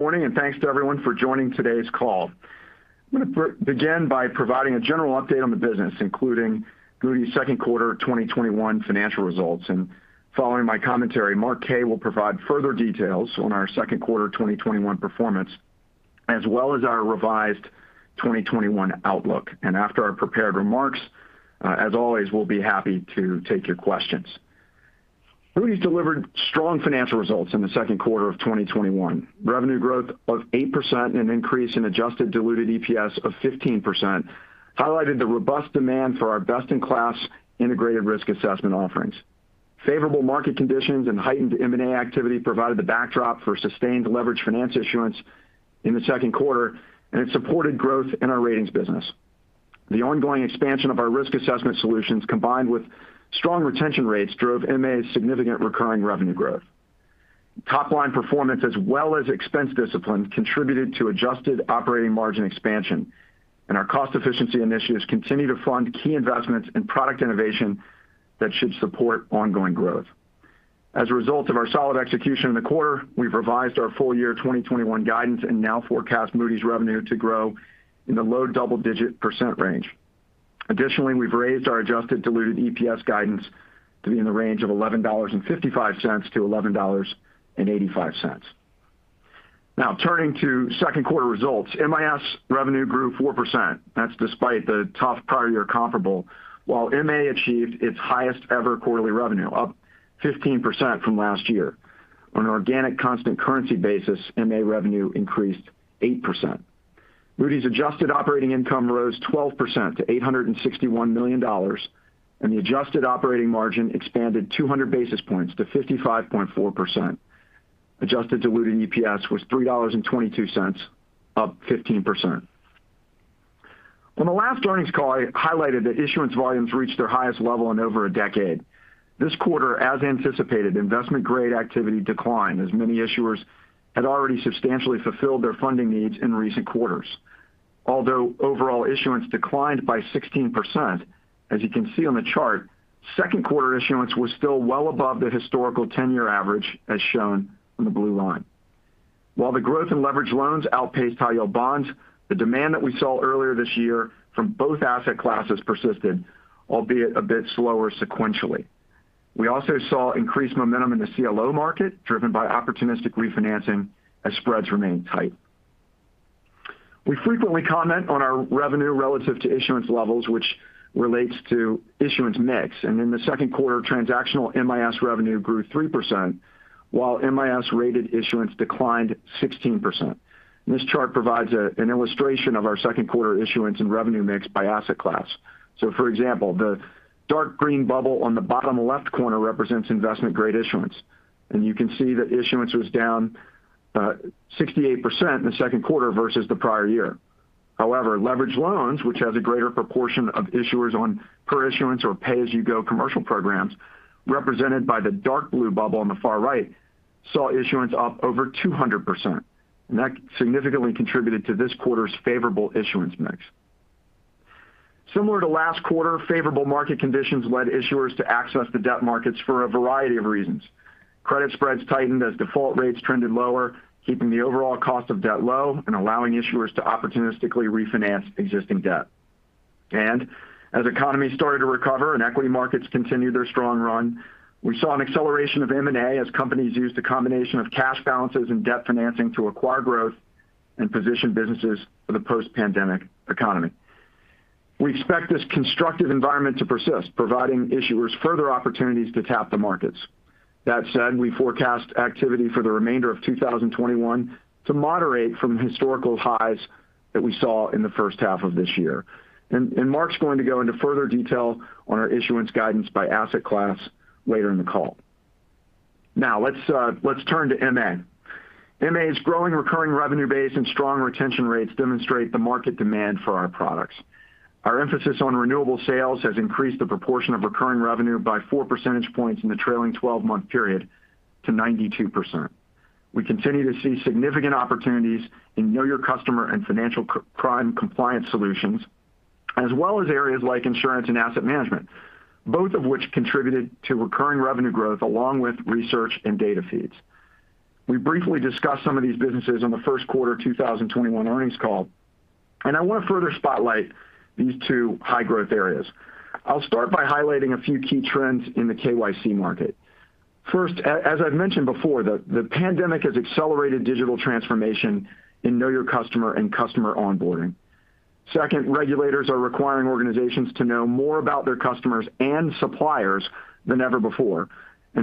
Morning, thanks to everyone for joining today's call. I'm going to begin by providing a general update on the business, including Moody's Q2 2021 financial results. Following my commentary, Mark Kaye will provide further details on our Q2 2021 performance, as well as our revised 2021 outlook. After our prepared remarks, as always, we'll be happy to take your questions. Moody's delivered strong financial results in Q2 2021. Revenue growth of 8% and an increase in adjusted diluted EPS of 15% highlighted the robust demand for our best-in-class integrated risk assessment offerings. Favorable market conditions and heightened M&A activity provided the backdrop for sustained leverage finance issuance in Q2, and it supported growth in our ratings business. The ongoing expansion of our risk assessment solutions, combined with strong retention rates, drove MA's significant recurring revenue growth. Top-line performance as well as expense discipline contributed to adjusted operating margin expansion, and our cost efficiency initiatives continue to fund key investments in product innovation that should support ongoing growth. As a result of our solid execution in the quarter, we've revised our full year 2021 guidance and now forecast Moody's revenue to grow in the low-double-digit percent range. Additionally, we've raised our adjusted diluted EPS guidance to be in the range of $11.55-$11.85. Now turning to second quarter results, MIS revenue grew 4%. That's despite the tough prior-year comparable, while MA achieved its highest-ever quarterly revenue, up 15% from last year. On an organic constant-currency basis, MA revenue increased 8%. Moody's adjusted operating income rose 12% to $861 million, and the adjusted operating margin expanded 200 basis points to 55.4%. Adjusted diluted EPS was $3.22, up 15%. On the last earnings call, I highlighted that issuance volumes reached their highest level in over a decade. This quarter, as anticipated, investment-grade activity declined as many issuers had already substantially fulfilled their funding needs in recent quarters. Although overall issuance declined by 16%, as you can see on the chart, second quarter issuance was still well above the historical 10-year average, as shown on the blue line. While the growth in leveraged loans outpaced high-yield bonds, the demand that we saw earlier this year from both asset classes persisted, albeit a bit slower sequentially. We also saw increased momentum in the CLO market driven by opportunistic refinancing as spreads remained tight. We frequently comment on our revenue relative to issuance levels, which relates to issuance mix. In the second quarter, transactional MIS revenue grew 3%, while MIS-rated issuance declined 16%. This chart provides an illustration of our second quarter issuance and revenue mix by asset class. For example, the dark green bubble on the bottom left corner represents investment-grade issuance. You can see that issuance was down 68% in the second quarter versus the prior year. However, leveraged loans, which has a greater proportion of issuers on per issuance or pay-as-you-go commercial programs, represented by the dark blue bubble on the far right, saw issuance up over 200%. That significantly contributed to this quarter's favorable issuance mix. Similar to last quarter, favorable market conditions led issuers to access the debt markets for a variety of reasons. Credit spreads tightened as default rates trended lower, keeping the overall cost of debt low and allowing issuers to opportunistically refinance existing debt. As economies started to recover and equity markets continued their strong run, we saw an acceleration of M&A as companies used a combination of cash balances and debt financing to acquire growth and position businesses for the post-pandemic economy. We expect this constructive environment to persist, providing issuers further opportunities to tap the markets. That said, we forecast activity for the remainder of 2021 to moderate from historical highs that we saw in the first half of this year. Mark Kaye's going to go into further detail on our issuance guidance by asset class later in the call. Let's turn to Moody's Analytics. Moody's Analytics's growing recurring revenue base and strong retention rates demonstrate the market demand for our products. Our emphasis on renewable sales has increased the proportion of recurring revenue by 4 percentage points in the trailing 12-month period to 92%. We continue to see significant opportunities in Know Your Customer and financial crime compliance solutions, as well as areas like insurance and asset management, both of which contributed to recurring revenue growth along with research and data feeds. I want to further spotlight these two high-growth areas. I'll start by highlighting a few key trends in the KYC market. First, as I've mentioned before, the pandemic has accelerated digital transformation in Know Your Customer and customer onboarding. Second, regulators are requiring organizations to know more about their customers and suppliers than ever before.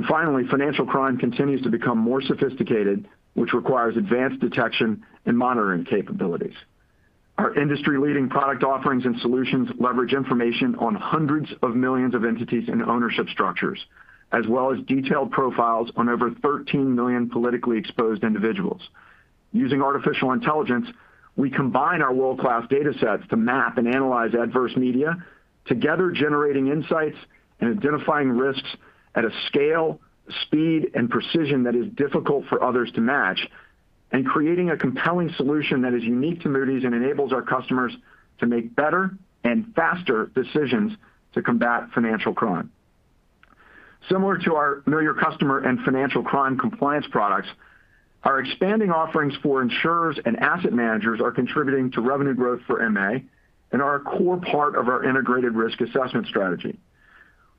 Finally, financial crime continues to become more sophisticated, which requires advanced detection and monitoring capabilities. Our industry-leading product offerings and solutions leverage information on hundreds of millions of entities and ownership structures, as well as detailed profiles on over 13 million politically exposed individuals. Using artificial intelligence, we combine our world-class datasets to map and analyze adverse media, together generating insights and identifying risks at a scale, speed, and precision that is difficult for others to match. Creating a compelling solution that is unique to Moody's and enables our customers to make better and faster decisions to combat financial crime. Similar to our Know Your Customer and financial crime compliance products, our expanding offerings for insurers and asset managers are contributing to revenue growth for MA and are a core part of our integrated risk assessment strategy.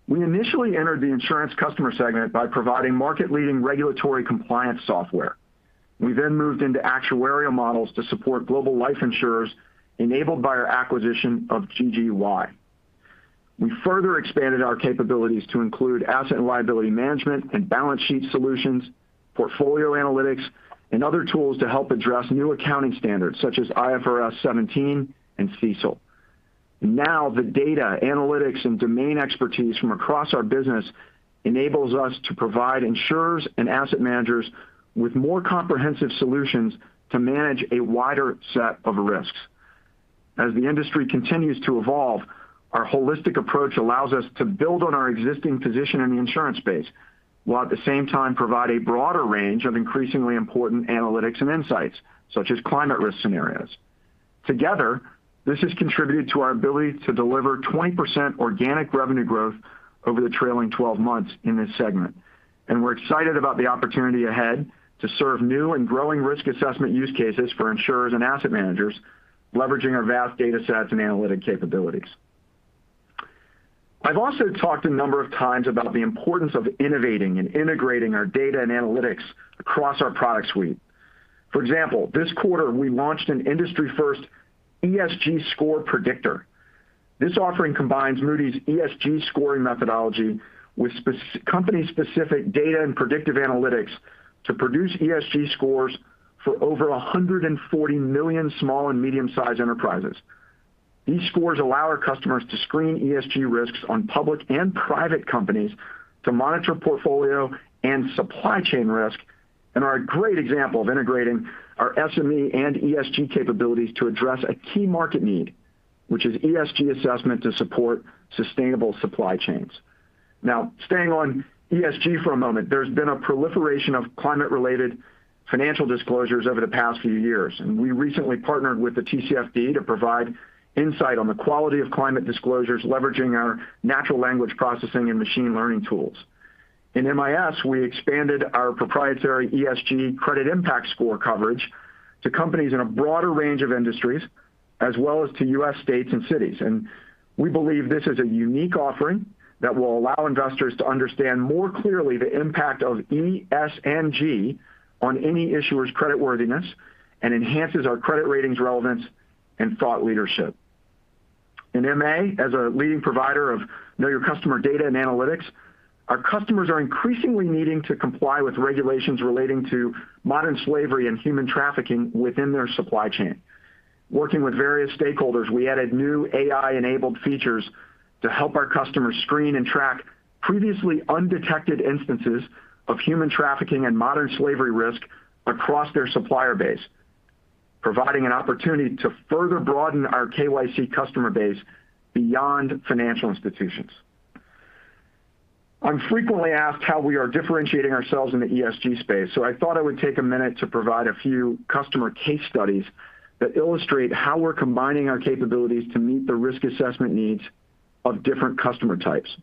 We initially entered the insurance customer segment by providing market-leading regulatory compliance software. We moved into actuarial models to support global life insurers enabled by our acquisition of GGY. We further expanded our capabilities to include asset and liability management and balance sheet solutions, portfolio analytics, and other tools to help address new accounting standards such as IFRS 17 and CECL. The data, analytics, and domain expertise from across our business enables us to provide insurers and asset managers with more comprehensive solutions to manage a wider set of risks. As the industry continues to evolve, our holistic approach allows us to build on our existing position in the insurance space, while at the same time provide a broader range of increasingly important analytics and insights, such as climate risk scenarios. Together, this has contributed to our ability to deliver 20% organic revenue growth over the trailing 12 months in this segment. We're excited about the opportunity ahead to serve new and growing risk assessment use cases for insurers and asset managers, leveraging our vast data sets and analytic capabilities. I've also talked a number of times about the importance of innovating and integrating our data and analytics across our product suite. For example, this quarter, we launched an industry-first ESG Score Predictor. This offering combines Moody's ESG scoring methodology with company-specific data and predictive analytics to produce ESG scores for over 140 million small and medium-sized enterprises. These scores allow our customers to screen ESG risks on public and private companies to monitor portfolio and supply chain risk, are a great example of integrating our SME and ESG capabilities to address a key market need, which is ESG assessment to support sustainable supply chains. Staying on ESG for a moment, there's been a proliferation of climate-related financial disclosures over the past few years, we recently partnered with the TCFD to provide insight on the quality of climate disclosures, leveraging our natural language processing and machine learning tools. In MIS, we expanded our proprietary ESG Credit Impact Score coverage to companies in a broader range of industries, as well as to U.S. states and cities. We believe this is a unique offering that will allow investors to understand more clearly the impact of ESG on any issuer's creditworthiness and enhances our credit ratings relevance and thought leadership. In Moody's Analytics, as a leading provider of KYC data and analytics, our customers are increasingly needing to comply with regulations relating to modern slavery and human trafficking within their supply chain. Working with various stakeholders, we added new AI-enabled features to help our customers screen and track previously undetected instances of human trafficking and modern slavery risk across their supplier base, providing an opportunity to further broaden our KYC customer base beyond financial institutions. I'm frequently asked how we are differentiating ourselves in the ESG space, I thought I would take a minute to provide a few customer case studies that illustrate how we're combining our capabilities to meet the risk assessment needs of different customer types.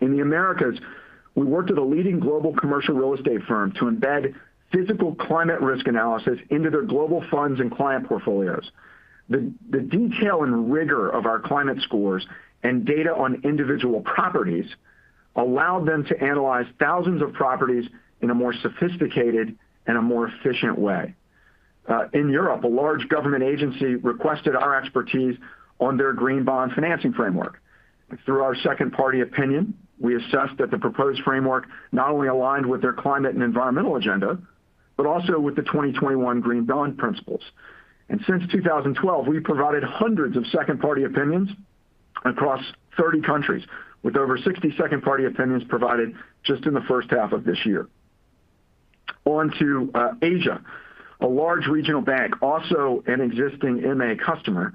In the Americas, we worked with a leading global commercial real estate firm to embed physical climate risk analysis into their global funds and client portfolios. The detail and rigor of our climate scores and data on individual properties allowed them to analyze thousands of properties in a more sophisticated and a more efficient way. In Europe, a large government agency requested our expertise on their green bond financing framework. Through our second-party opinion, we assessed that the proposed framework not only aligned with their climate and environmental agenda, but also with the 2021 Green Bond Principles. Since 2012, we've provided hundreds of second-party opinions across 30 countries with over 60 second-party opinions provided just in the first half of this year. On to Asia. A large regional bank, also an existing MA customer,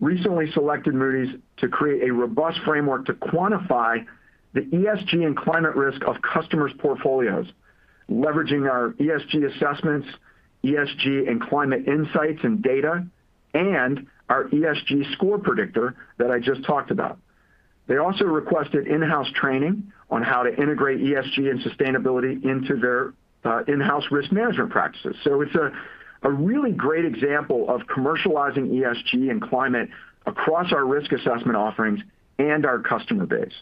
recently selected Moody's to create a robust framework to quantify the ESG and climate risk of customers' portfolios, leveraging our ESG assessments, ESG and climate insights and data, and our ESG Score Predictor that I just talked about. They also requested in-house training on how to integrate ESG and sustainability into their in-house risk management practices. It's a really great example of commercializing ESG and climate across our risk assessment offerings and our customer base.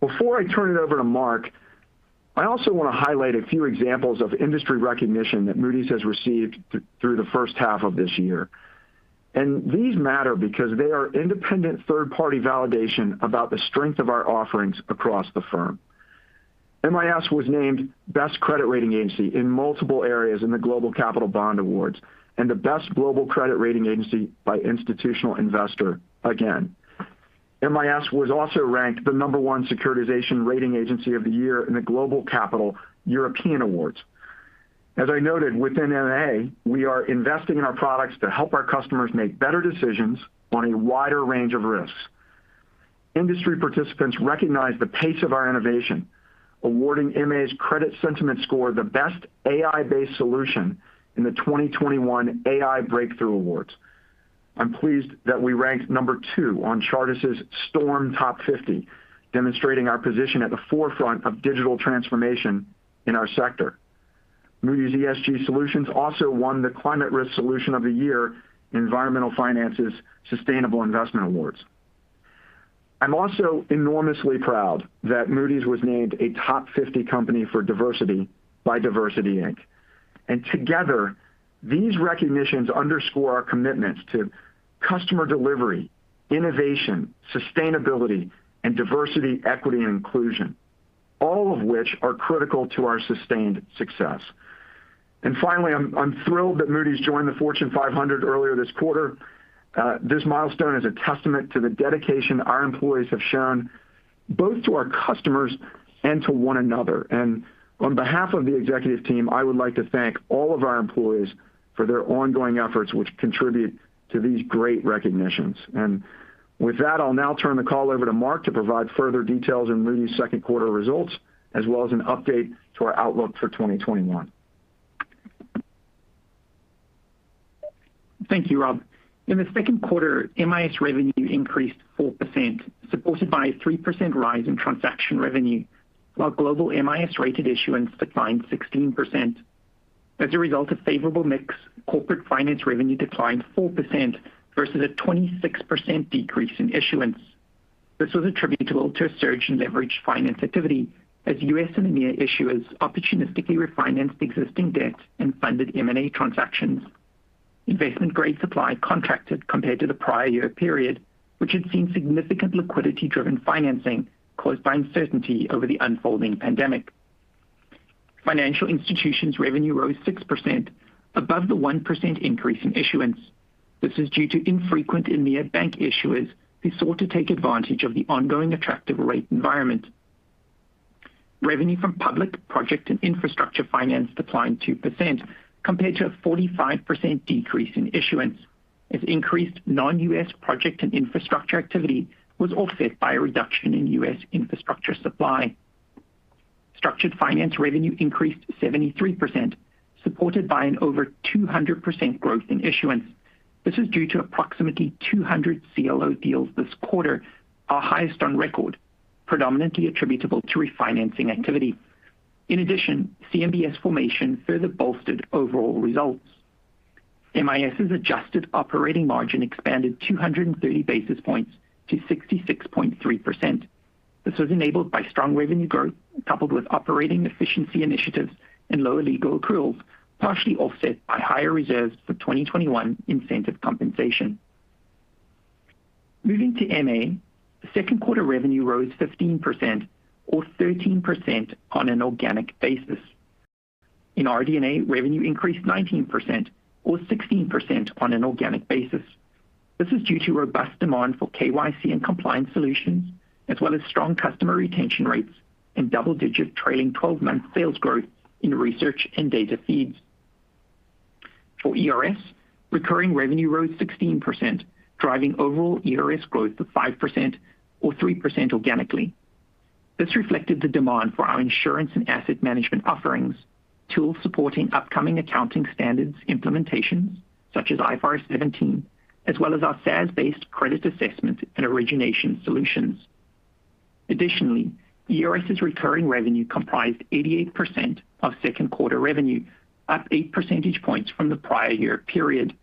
Before I turn it over to Mark, I also want to highlight a few examples of industry recognition that Moody's has received through the first half of this year. These matter because they are independent third-party validation about the strength of our offerings across the firm. MIS was named Best Credit Rating Agency in multiple areas in the GlobalCapital Bond Awards and the Best Global Credit Rating Agency by Institutional Investor, again. MIS was also ranked the number one Securitization Rating Agency of the Year in the GlobalCapital European Securitization Awards. As I noted, within MA, we are investing in our products to help our customers make better decisions on a wider range of risks. Industry participants recognize the pace of our innovation. Awarding MA's Credit Sentiment Score the best AI-based solution in the 2021 AI Breakthrough Awards. I'm pleased that we ranked number two on Chartis STORM QuantTech50, demonstrating our position at the forefront of digital transformation in our sector. Moody's ESG Solutions also won the Climate Risk Solution of the Year in Environmental Finance's Sustainable Investment Awards. I'm also enormously proud that Moody's was named a top 50 company for diversity by DiversityInc. Together, these recognitions underscore our commitments to customer delivery, innovation, sustainability, and diversity, equity, and inclusion, all of which are critical to our sustained success. Finally, I'm thrilled that Moody's joined the Fortune 500 earlier this quarter. This milestone is a testament to the dedication our employees have shown, both to our customers and to one another. On behalf of the executive team, I would like to thank all of our employees for their ongoing efforts, which contribute to these great recognitions. With that, I'll now turn the call over to Mark to provide further details on Moody's second quarter results, as well as an update to our outlook for 2021. Thank you, Rob. In the second quarter, MIS revenue increased 4%, supported by a 3% rise in transaction revenue, while global MIS-rated issuance declined 16%. As a result of favorable mix, corporate finance revenue declined 4% versus a 26% decrease in issuance. This was attributable to a surge in leveraged finance activity as U.S. and EMEA issuers opportunistically refinanced existing debt and funded M&A transactions. Investment-grade supply contracted compared to the prior-year period, which had seen significant liquidity-driven financing caused by uncertainty over the unfolding pandemic. Financial institutions revenue rose 6%, above the 1% increase in issuance. This is due to infrequent EMEA bank issuers who sought to take advantage of the ongoing attractive rate environment. Revenue from public project and infrastructure finance declined 2% compared to a 45% decrease in issuance, as increased non-U.S. project and infrastructure activity was offset by a reduction in U.S. infrastructure supply. Structured finance revenue increased 73%, supported by an over 200% growth in issuance. This is due to approximately 200 CLO deals this quarter, our highest on record, predominantly attributable to refinancing activity. In addition, CMBS formation further bolstered overall results. MIS's adjusted operating margin expanded 230 basis points to 66.3%. This was enabled by strong revenue growth, coupled with operating efficiency initiatives and lower legal accruals, partially offset by higher reserves for 2021 incentive compensation. Moving to MA, second quarter revenue rose 15%, or 13% on an organic basis. In RD&A, revenue increased 19%, or 16% on an organic basis. This is due to robust demand for KYC and compliance solutions, as well as strong customer retention rates and double-digit trailing 12-month sales growth in research and data feeds. For ERS, recurring revenue rose 16%, driving overall ERS growth of 5%, or 3% organically. This reflected the demand for our insurance and asset management offerings, tools supporting upcoming accounting standards implementations, such as IFRS 17, as well as our SaaS-based credit assessment and origination solutions. Additionally, ERS's recurring revenue comprised 88% of second quarter revenue, up eight percentage points from the prior-year period.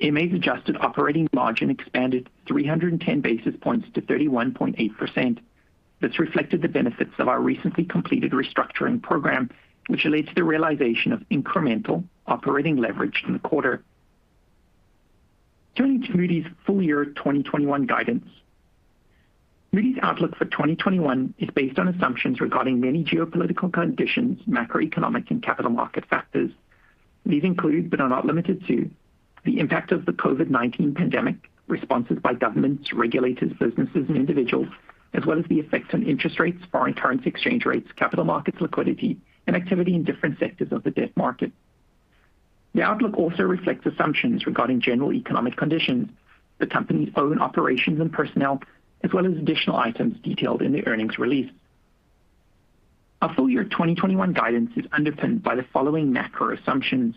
MA's adjusted operating margin expanded 310 basis points to 31.8%. This reflected the benefits of our recently completed restructuring program, which led to the realization of incremental operating leverage in the quarter. Turning to Moody's full-year 2021 guidance. Moody's outlook for 2021 is based on assumptions regarding many geopolitical conditions, macroeconomic, and capital market factors. These include, but are not limited to, the impact of the COVID-19 pandemic, responses by governments, regulators, businesses, and individuals, as well as the effects on interest rates, foreign currency exchange rates, capital markets liquidity, and activity in different sectors of the debt market. The outlook also reflects assumptions regarding general economic conditions, the company's own operations and personnel, as well as additional items detailed in the earnings release. Our full-year 2021 guidance is underpinned by the following macro assumptions.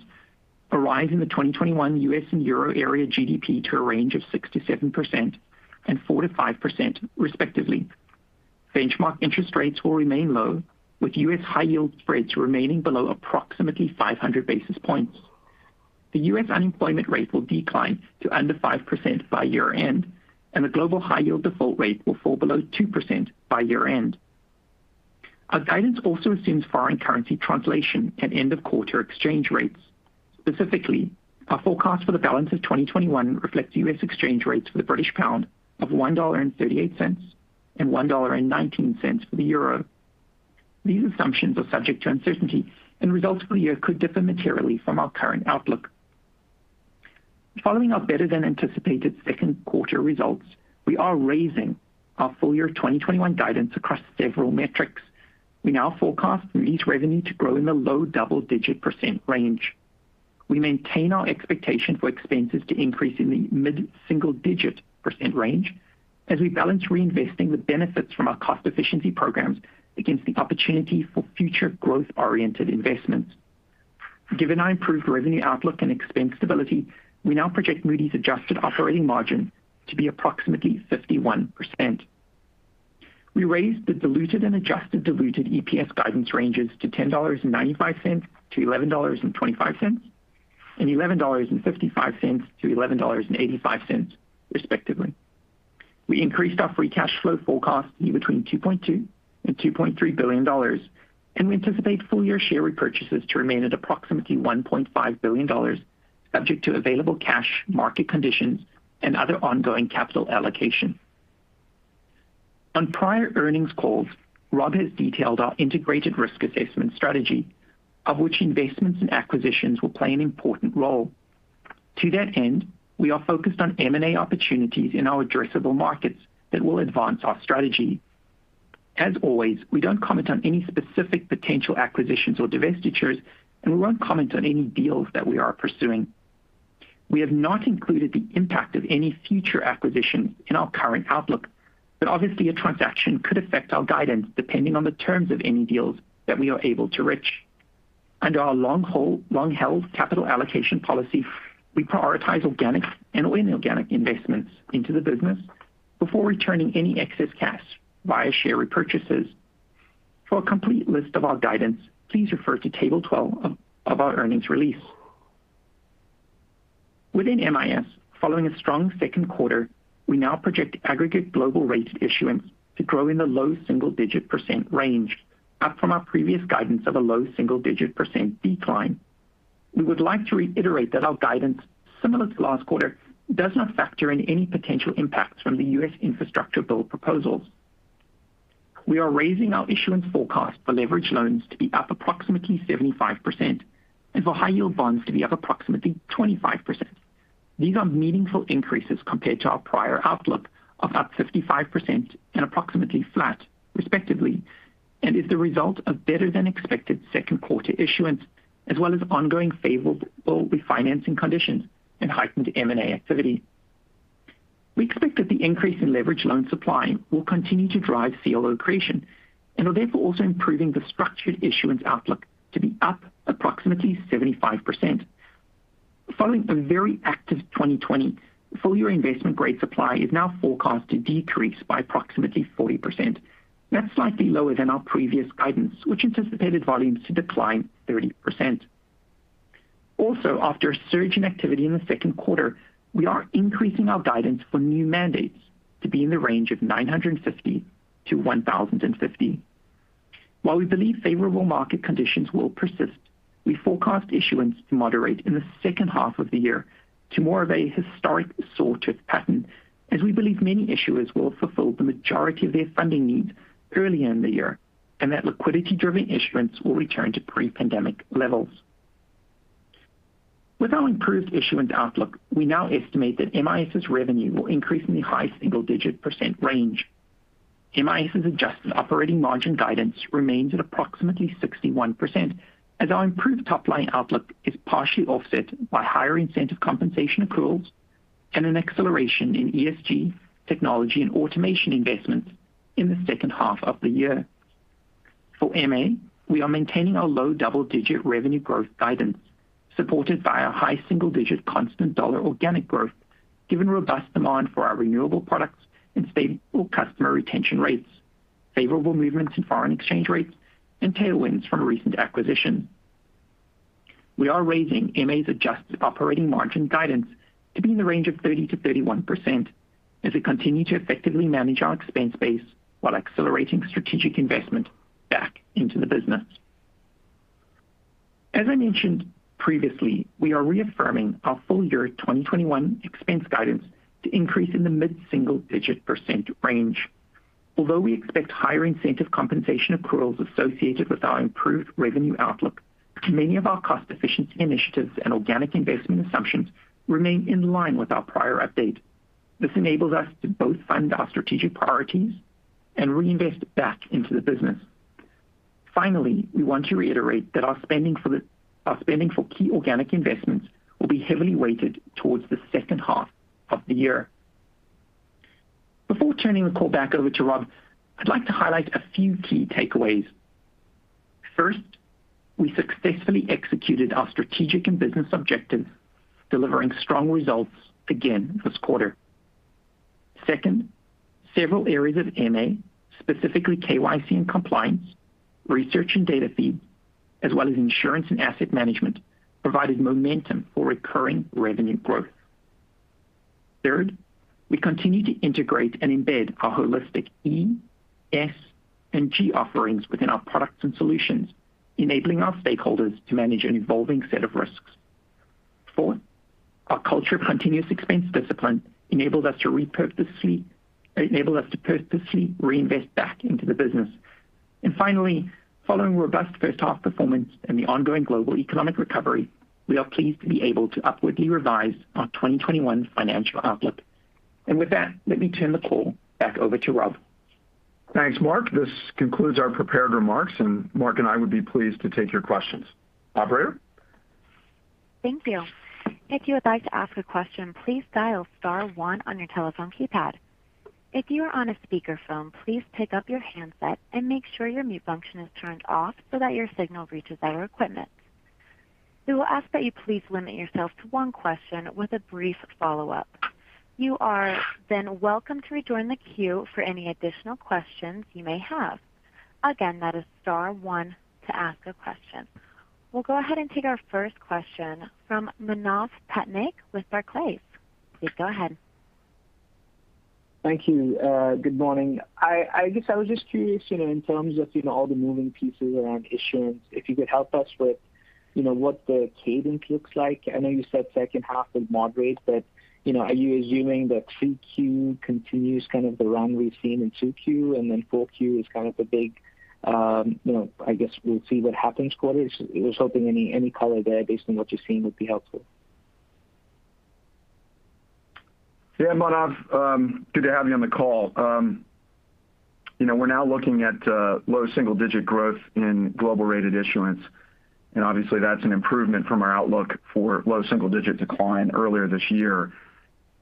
A rise in the 2021 U.S. and euro area GDP to a range of 6%-7% and 4%-5%, respectively. Benchmark interest rates will remain low, with U.S. high-yield spreads remaining below approximately 500 basis points. The U.S. unemployment rate will decline to under 5% by year-end, and the global high-yield default rate will fall below 2% by year-end. Our guidance also assumes foreign currency translation and end-of-quarter exchange rates. Specifically, our forecast for the balance of 2021 reflects U.S. exchange rates for the British pound of $1.38 and $1.19 for the euro. These assumptions are subject to uncertainty, and results for the year could differ materially from our current outlook. Following our better-than-anticipated second quarter results, we are raising our full-year 2021 guidance across several metrics. We now forecast Moody's revenue to grow in the low double-digit percent range. We maintain our expectation for expenses to increase in the mid-single digit percent range as we balance reinvesting the benefits from our cost efficiency programs against the opportunity for future growth-oriented investments. Given our improved revenue outlook and expense stability, we now project Moody's adjusted operating margin to be approximately 51%. We raised the diluted and adjusted diluted EPS guidance ranges to $10.95-$11.25, and $11.55-$11.85 respectively. We increased our free cash flow forecast to be between $2.2 billion and $2.3 billion. We anticipate full-year share repurchases to remain at approximately $1.5 billion, subject to available cash, market conditions, and other ongoing capital allocation. On prior earnings calls, Rob has detailed our integrated risk assessment strategy, of which investments and acquisitions will play an important role. To that end, we are focused on M&A opportunities in our addressable markets that will advance our strategy. As always, we don't comment on any specific potential acquisitions or divestitures, and we won't comment on any deals that we are pursuing. We have not included the impact of any future acquisitions in our current outlook, but obviously a transaction could affect our guidance depending on the terms of any deals that we are able to reach. Under our long-held capital allocation policy, we prioritize organic and inorganic investments into the business before returning any excess cash via share repurchases. For a complete list of our guidance, please refer to Table 12 of our earnings release. Within MIS, following a strong second quarter, we now project aggregate global rated issuance to grow in the low single-digit percent range, up from our previous guidance of a low single-digit percent decline. We would like to reiterate that our guidance, similar to last quarter, does not factor in any potential impacts from the U.S. infrastructure bill proposals. We are raising our issuance forecast for leverage loans to be up approximately 75% and for high-yield bonds to be up approximately 25%. These are meaningful increases compared to our prior outlook of up 55% and approximately flat respectively, is the result of better than expected second quarter issuance, as well as ongoing favorable refinancing conditions and heightened M&A activity. We expect that the increase in leverage loan supply will continue to drive CLO creation and are therefore also improving the structured issuance outlook to be up approximately 75%. Following a very active 2020, full-year investment grade supply is now forecast to decrease by approximately 40%. That's slightly lower than our previous guidance, which anticipated volumes to decline 30%. After a surge in activity in the second quarter, we are increasing our guidance for new mandates to be in the range of 950-1,050. While we believe favorable market conditions will persist, we forecast issuance to moderate in the second half of the year to more of a historic sawtooth pattern, as we believe many issuers will fulfill the majority of their funding needs early in the year, and that liquidity-driven issuance will return to pre-pandemic levels. With our improved issuance outlook, we now estimate that MIS' revenue will increase in the high-single-digit percent range. MIS' adjusted operating margin guidance remains at approximately 61%, as our improved top-line outlook is partially offset by higher incentive compensation accruals and an acceleration in ESG technology and automation investments in the second half of the year. For MA, we are maintaining our low double-digit revenue growth guidance, supported by our high-single-digit constant dollar organic growth given robust demand for our renewable products and stable customer retention rates, favorable movements in foreign exchange rates, and tailwinds from a recent acquisition. We are raising MA's adjusted operating margin guidance to be in the range of 30%-31% as we continue to effectively manage our expense base while accelerating strategic investment back into the business. As I mentioned previously, we are reaffirming our full-year 2021 expense guidance to increase in the mid-single digit percent range. Although we expect higher incentive compensation accruals associated with our improved revenue outlook, many of our cost efficiency initiatives and organic investment assumptions remain in line with our prior update. This enables us to both fund our strategic priorities and reinvest back into the business. Finally, we want to reiterate that our spending for key organic investments will be heavily weighted towards the second half of the year. Before turning the call back over to Rob, I'd like to highlight a few key takeaways. First, we successfully executed our strategic and business objectives, delivering strong results again this quarter. Second, several areas of MA, specifically KYC and compliance, research and data feed, as well as insurance and asset management, provided momentum for recurring revenue growth. Third, we continue to integrate and embed our holistic E, S, and G offerings within our products and solutions, enabling our stakeholders to manage an evolving set of risks. Fourth, our culture of continuous expense discipline enabled us to purposely reinvest back into the business. Finally, following robust first half performance and the ongoing global economic recovery, we are pleased to be able to upwardly revise our 2021 financial outlook. With that, let me turn the call back over to Rob. Thanks, Mark. This concludes our prepared remarks, and Mark and I would be pleased to take your questions. Operator? Thank you. If you would like to ask a question, please dial star one on your telephone keypad. If you are on a speakerphone, please pick up your handset and make sure your mute function is turned off so that your signal reaches our equipment. We will ask that you please limit yourself to one question with a brief follow-up. You are welcome to rejoin the queue for any additional questions you may have. Again, that is star one to ask a question. We'll go ahead and take our first question from Manav Patnaik with Barclays. Please go ahead. Thank you. Good morning. I guess I was just curious, in terms of all the moving pieces around issuance, if you could help us with what the cadence looks like. I know you said second half would moderate. Are you assuming that Q3 continues kind of the run we've seen in Q2, and then Q4 is kind of the big, I guess we'll see what happens quarter? I was hoping any color there based on what you're seeing would be helpful. Yeah, Manav. Good to have you on the call. We're now looking at low single-digit growth in global rated issuance, obviously that's an improvement from our outlook for low single-digit decline earlier this year.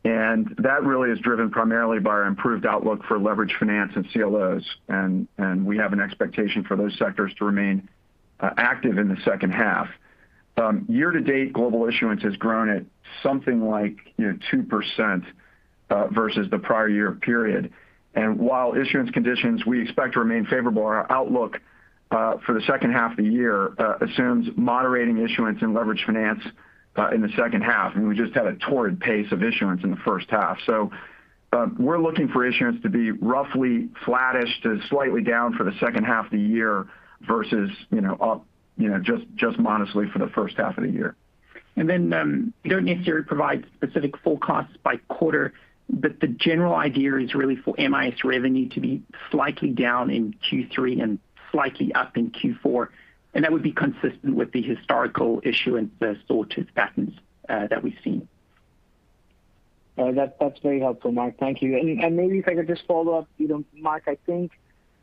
That really is driven primarily by our improved outlook for leveraged finance and CLOs, we have an expectation for those sectors to remain active in the second half. Year to date, global issuance has grown at something like 2% versus the prior year period. While issuance conditions we expect to remain favorable, our outlook for the second half of the year assumes moderating issuance and leverage finance in the second half, we just had a torrid pace of issuance in the first half. We're looking for issuance to be roughly flattish to slightly down for the second half of the year versus up just modestly for the first half of the year. You don't necessarily provide specific full costs by quarter, but the general idea is really for MIS revenue to be slightly down in Q3 and slightly up in Q4, and that would be consistent with the historical issuance sort of patterns that we've seen. That's very helpful, Mark. Thank you. Maybe if I could just follow up. Mark, I think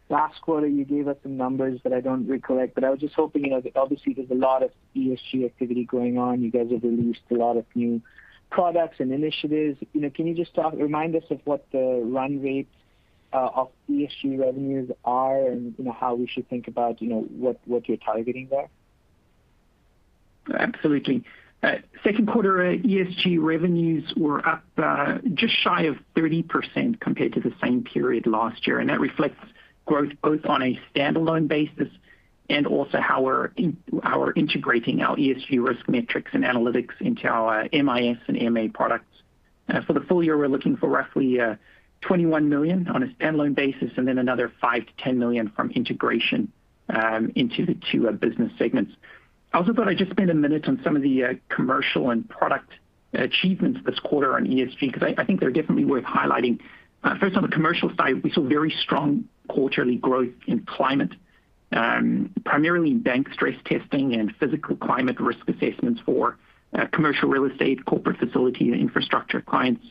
last quarter you gave us some numbers that I don't recollect, but I was just hoping, obviously there's a lot of ESG activity going on. You guys have released a lot of new products and initiatives. Can you just remind us of what the run rates of ESG revenues are and how we should think about what you're targeting there? Absolutely. Second quarter ESG revenues were up just shy of 30% compared to the same period last year. That reflects growth both on a standalone basis and also how we're integrating our ESG risk metrics and analytics into our MIS and MA products. For the full year, we're looking for roughly $21 million on a standalone basis, and then another $5 million-$10 million from integration into the two business segments. I also thought I'd just spend a minute on some of the commercial and product achievements this quarter on ESG, because I think they're definitely worth highlighting. First, on the commercial side, we saw very strong quarterly growth in climate, primarily in bank stress testing and physical climate risk assessments for commercial real estate, corporate facility, and infrastructure clients.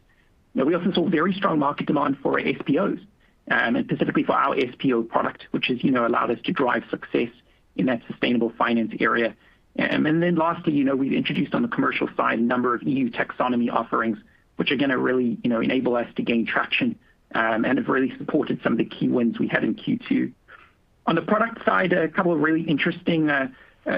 We also saw very strong market demand for SPOs, and specifically for our SPO product, which has allowed us to drive success in that sustainable finance area. Lastly, we've introduced on the commercial side a number of new taxonomy offerings, which again are really enabling us to gain traction and have really supported some of the key wins we had in Q2. On the product side, a couple of really interesting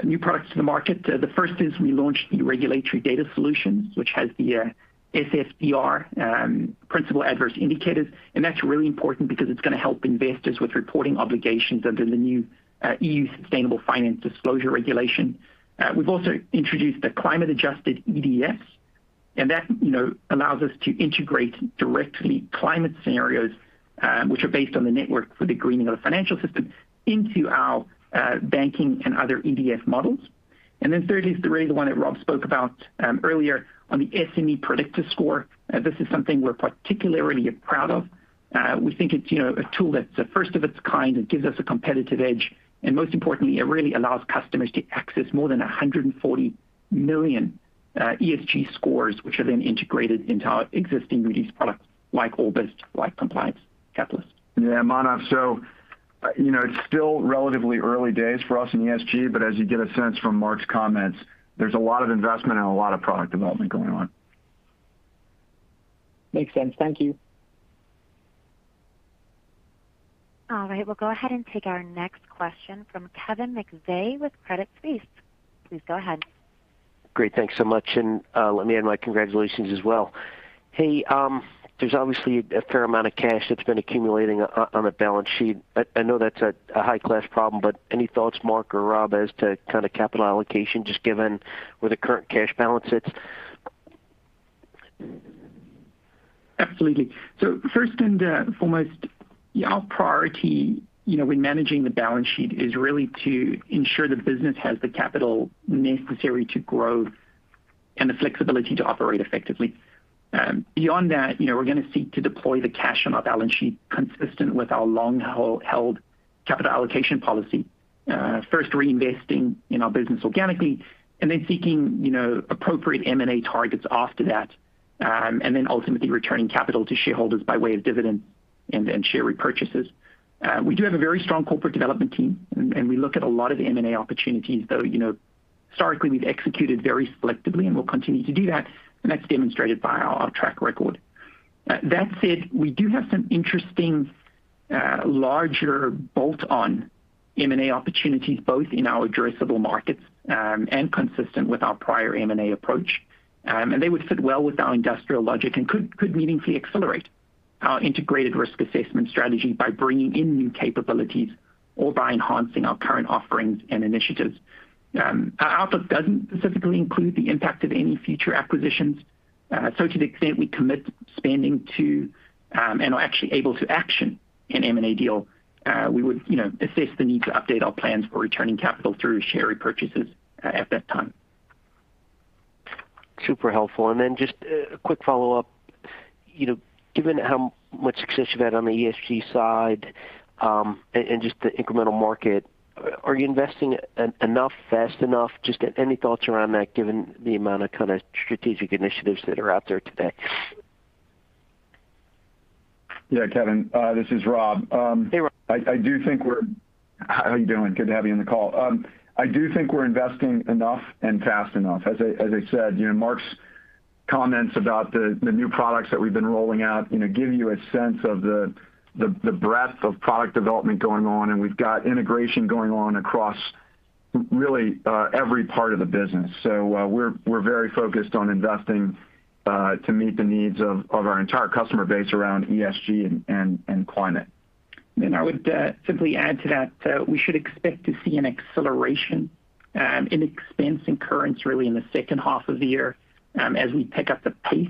new products to the market. The first is we launched the regulatory data solution, which has the SFDR principal adverse indicators, and that's really important because it's going to help investors with reporting obligations under the new EU Sustainable Finance Disclosure Regulation. We've also introduced a climate-adjusted EDF, and that allows us to integrate directly climate scenarios, which are based on the network for the greening of the financial system into our banking and other EDF models. Third is really the one that Rob spoke about earlier on the SME predictor score. This is something we're particularly proud of. We think it's a tool that's the first of its kind. It gives us a competitive edge, and most importantly, it really allows customers to access more than 140 million ESG scores, which are then integrated into our existing Moody's product, like Orbis, like Compliance Catalyst. Yeah, Manav, it's still relatively early days for us in ESG, but as you get a sense from Mark's comments, there's a lot of investment and a lot of product development going on. Makes sense. Thank you. All right. We'll go ahead and take our next question from Kevin McVeigh with Credit Suisse. Please go ahead. Great. Thanks so much. Let me add my congratulations as well. Hey, there's obviously a fair amount of cash that's been accumulating on the balance sheet. I know that's a high-class problem. Any thoughts, Mark or Rob, as to kind of capital allocation just given where the current cash balance sits? Absolutely. First and foremost, our priority when managing the balance sheet is really to ensure the business has the capital necessary to grow and the flexibility to operate effectively. Beyond that, we're going to seek to deploy the cash on our balance sheet consistent with our long-held capital allocation policy. First, reinvesting in our business organically and then seeking appropriate M&A targets after that. Ultimately returning capital to shareholders by way of dividend and then share repurchases. We do have a very strong corporate development team, and we look at a lot of M&A opportunities, though historically we've executed very selectively, and we'll continue to do that, and that's demonstrated by our track record. That said, we do have some interesting larger bolt-on M&A opportunities both in our addressable markets and consistent with our prior M&A approach. They would fit well with our industrial logic and could meaningfully accelerate our integrated risk assessment strategy by bringing in new capabilities or by enhancing our current offerings and initiatives. Our outlook doesn't specifically include the impact of any future acquisitions. To the extent we commit spending to and are actually able to action an M&A deal, we would assess the need to update our plans for returning capital through share repurchases at that time. Super helpful. Then just a quick follow-up. Given how much success you've had on the ESG side, and just the incremental market, are you investing enough, fast enough? Just any thoughts around that, given the amount of kind of strategic initiatives that are out there today? Yeah, Kevin, this is Rob. Hey, Rob. How are you doing? Good to have you on the call. I do think we're investing enough and fast enough. As I said, Mark's comments about the new products that we've been rolling out give you a sense of the breadth of product development going on, and we've got integration going on across really every part of the business. We're very focused on investing to meet the needs of our entire customer base around ESG and climate. I would simply add to that, we should expect to see an acceleration in expense incurrence really in the second half of the year. As we pick up the pace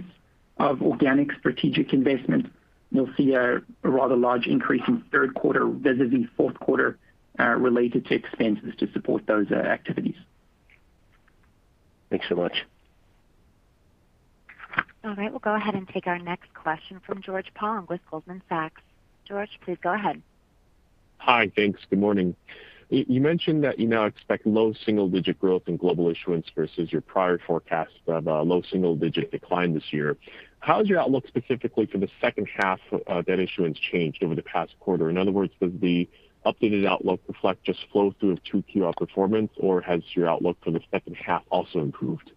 of organic strategic investment, you'll see a rather large increase in third quarter vs fourth quarter related to expenses to support those activities. Thanks so much. All right, we'll go ahead and take our next question from George Tong with Goldman Sachs. George, please go ahead. Hi. Thanks. Good morning. You mentioned that you now expect low single-digit growth in global issuance versus your prior forecast of a low single-digit decline this year. How has your outlook specifically for the second half of that issuance changed over the past quarter? In other words, does the updated outlook reflect just flow-through of Q1 outperformance, or has your outlook for the second half also improved?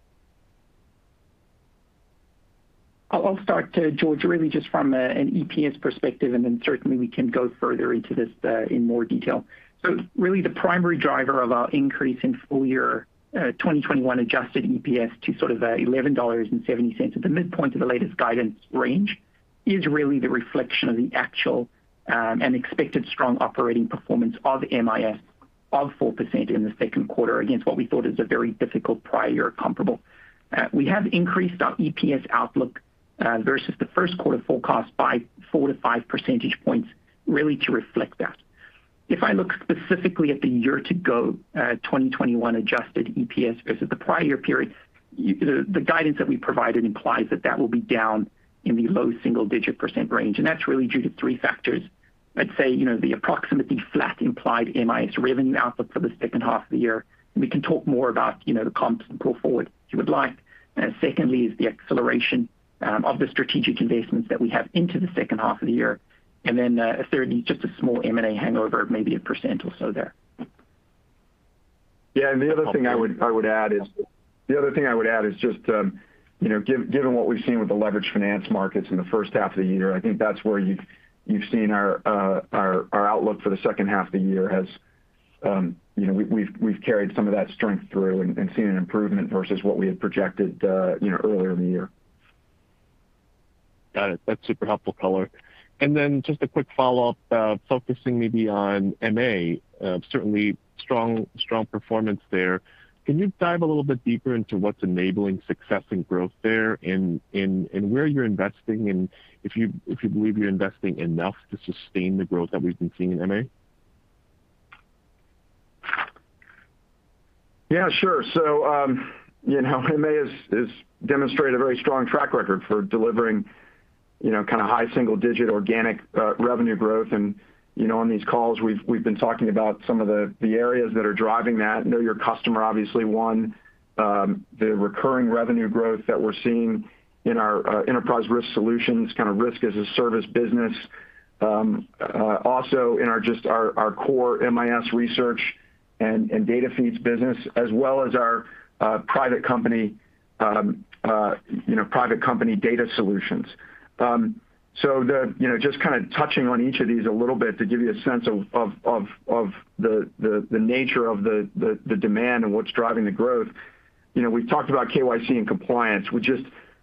I'll start, George, really just from an EPS perspective, and then certainly we can go further into this in more detail. Really the primary driver of our increase in full-year 2021 adjusted EPS to sort of $11.70 at the midpoint of the latest guidance range is really the reflection of the actual and expected strong operating performance of MIS of 4% in the second quarter against what we thought is a very difficult prior comparable. We have increased our EPS outlook versus the first quarter full cost by 4 to 5 percentage points really to reflect that. If I look specifically at the year-to-go 2021 adjusted EPS versus the prior year period, the guidance that we provided implies that will be down in the low single-digit percent range, and that's really due to three factors. I'd say, the approximately flat implied MIS revenue outlook for the second half of the year. We can talk more about the comps going forward if you would like. Secondly, is the acceleration of the strategic investments that we have into the second half of the year. Thirdly, just a small M&A hangover of maybe 1% or so there. Yeah, the other thing I would add is just given what we've seen with the leveraged finance markets in the first half of the year, I think that's where you've seen our outlook for the second half of the year. We've carried some of that strength through and seen an improvement versus what we had projected earlier in the year. Got it. That's super helpful color. Just a quick follow-up focusing maybe on MA. Certainly strong performance there. Can you dive a little bit deeper into what's enabling success and growth there, and where you're investing, and if you believe you're investing enough to sustain the growth that we've been seeing in MA? Yeah, sure. MA has demonstrated a very strong track record for delivering kind of high single-digit organic revenue growth. On these calls, we've been talking about some of the areas that are driving that. Know Your Customer, obviously 1. The recurring revenue growth that we're seeing in our Enterprise Risk Solutions, kind of risk-as-a-service business. Also in our core MIS research and data feeds business, as well as our private company data solutions. Just kind of touching on each of these a little bit to give you a sense of the nature of the demand and what's driving the growth. We've talked about KYC and compliance.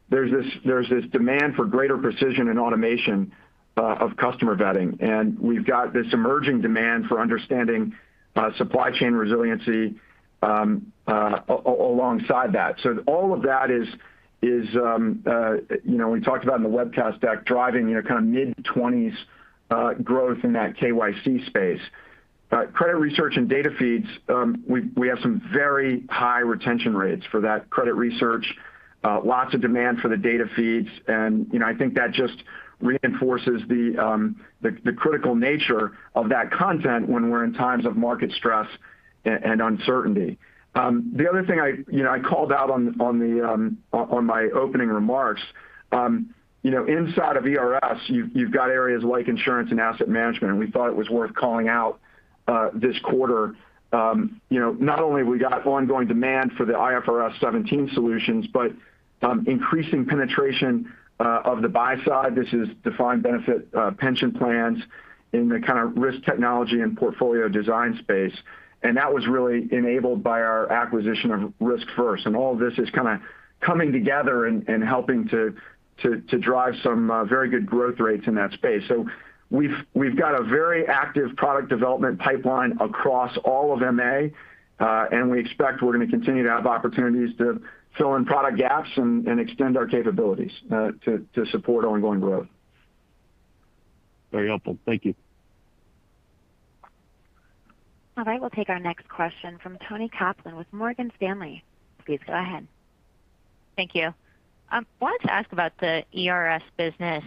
There's this demand for greater precision and automation of customer vetting. We've got this emerging demand for understanding supply chain resiliency alongside that. All of that is we talked about in the webcast deck driving kind of mid-20s growth in that KYC space. Credit research and data feeds, we have some very high retention rates for that credit research. Lots of demand for the data feeds. I think that just reinforces the critical nature of that content when we're in times of market stress and uncertainty. The other thing I called out on my opening remarks, inside of ERS, you've got areas like insurance and asset management, and we thought it was worth calling out this quarter. Not only have we got ongoing demand for the IFRS 17 solutions, but increasing penetration of the buy side. This is defined benefit pension plans in the risk technology and portfolio design space, and that was really enabled by our acquisition of RiskFirst. All this is coming together and helping to drive some very good growth rates in that space. We've got a very active product development pipeline across all of MA, and we expect we're going to continue to have opportunities to fill in product gaps and extend our capabilities to support ongoing growth. Very helpful. Thank you. All right. We'll take our next question from Toni Kaplan with Morgan Stanley. Please go ahead. Thank you. I wanted to ask about the ERS business.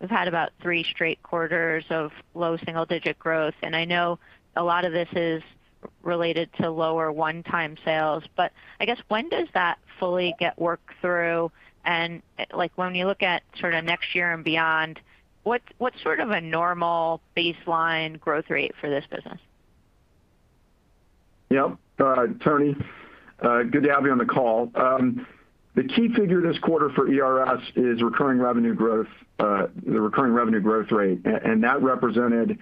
We've had about three straight quarters of low single-digit growth, I know a lot of this is related to lower one-time sales, I guess, when does that fully get worked through? When you look at next year and beyond, what's a normal baseline growth rate for this business? Yep. Toni, good to have you on the call. The key figure this quarter for ERS is the recurring revenue growth rate. That represented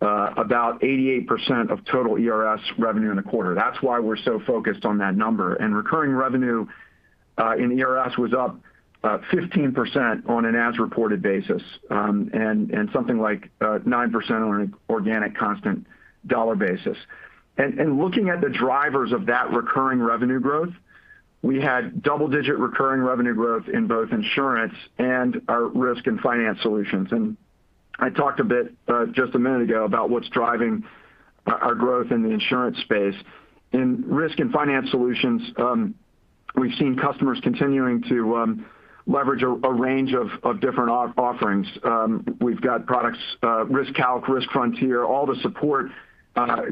about 88% of total ERS revenue in the quarter. That's why we're so focused on that number. Recurring revenue in ERS was up 15% on an as-reported basis, and something like 9% on an organic constant dollar basis. Looking at the drivers of that recurring revenue growth, we had double-digit recurring revenue growth in both insurance and our risk and finance solutions. I talked a bit just a minute ago about what's driving our growth in the insurance space. In risk and finance solutions, we've seen customers continuing to leverage a range of different offerings. We've got products, RiskCalc, RiskFrontier, all to support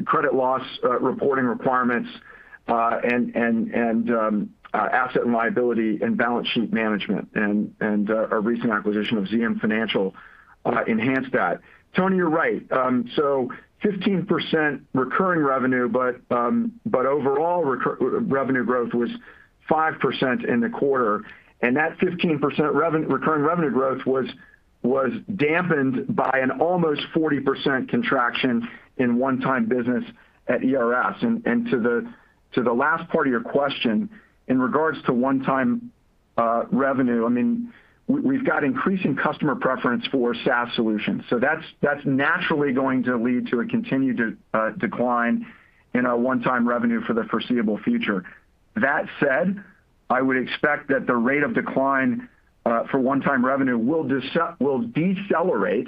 credit loss reporting requirements and asset and liability and balance sheet management. Our recent acquisition of ZM Financial enhanced that. Toni, you're right. 15% recurring revenue, but overall revenue growth was 5% in the quarter. That 15% recurring revenue growth was dampened by an almost 40% contraction in one-time business at ERS. To the last part of your question, in regards to one-time revenue, we've got increasing customer preference for SaaS solutions. That's naturally going to lead to a continued decline in our one-time revenue for the foreseeable future. That said, I would expect that the rate of decline for one-time revenue will decelerate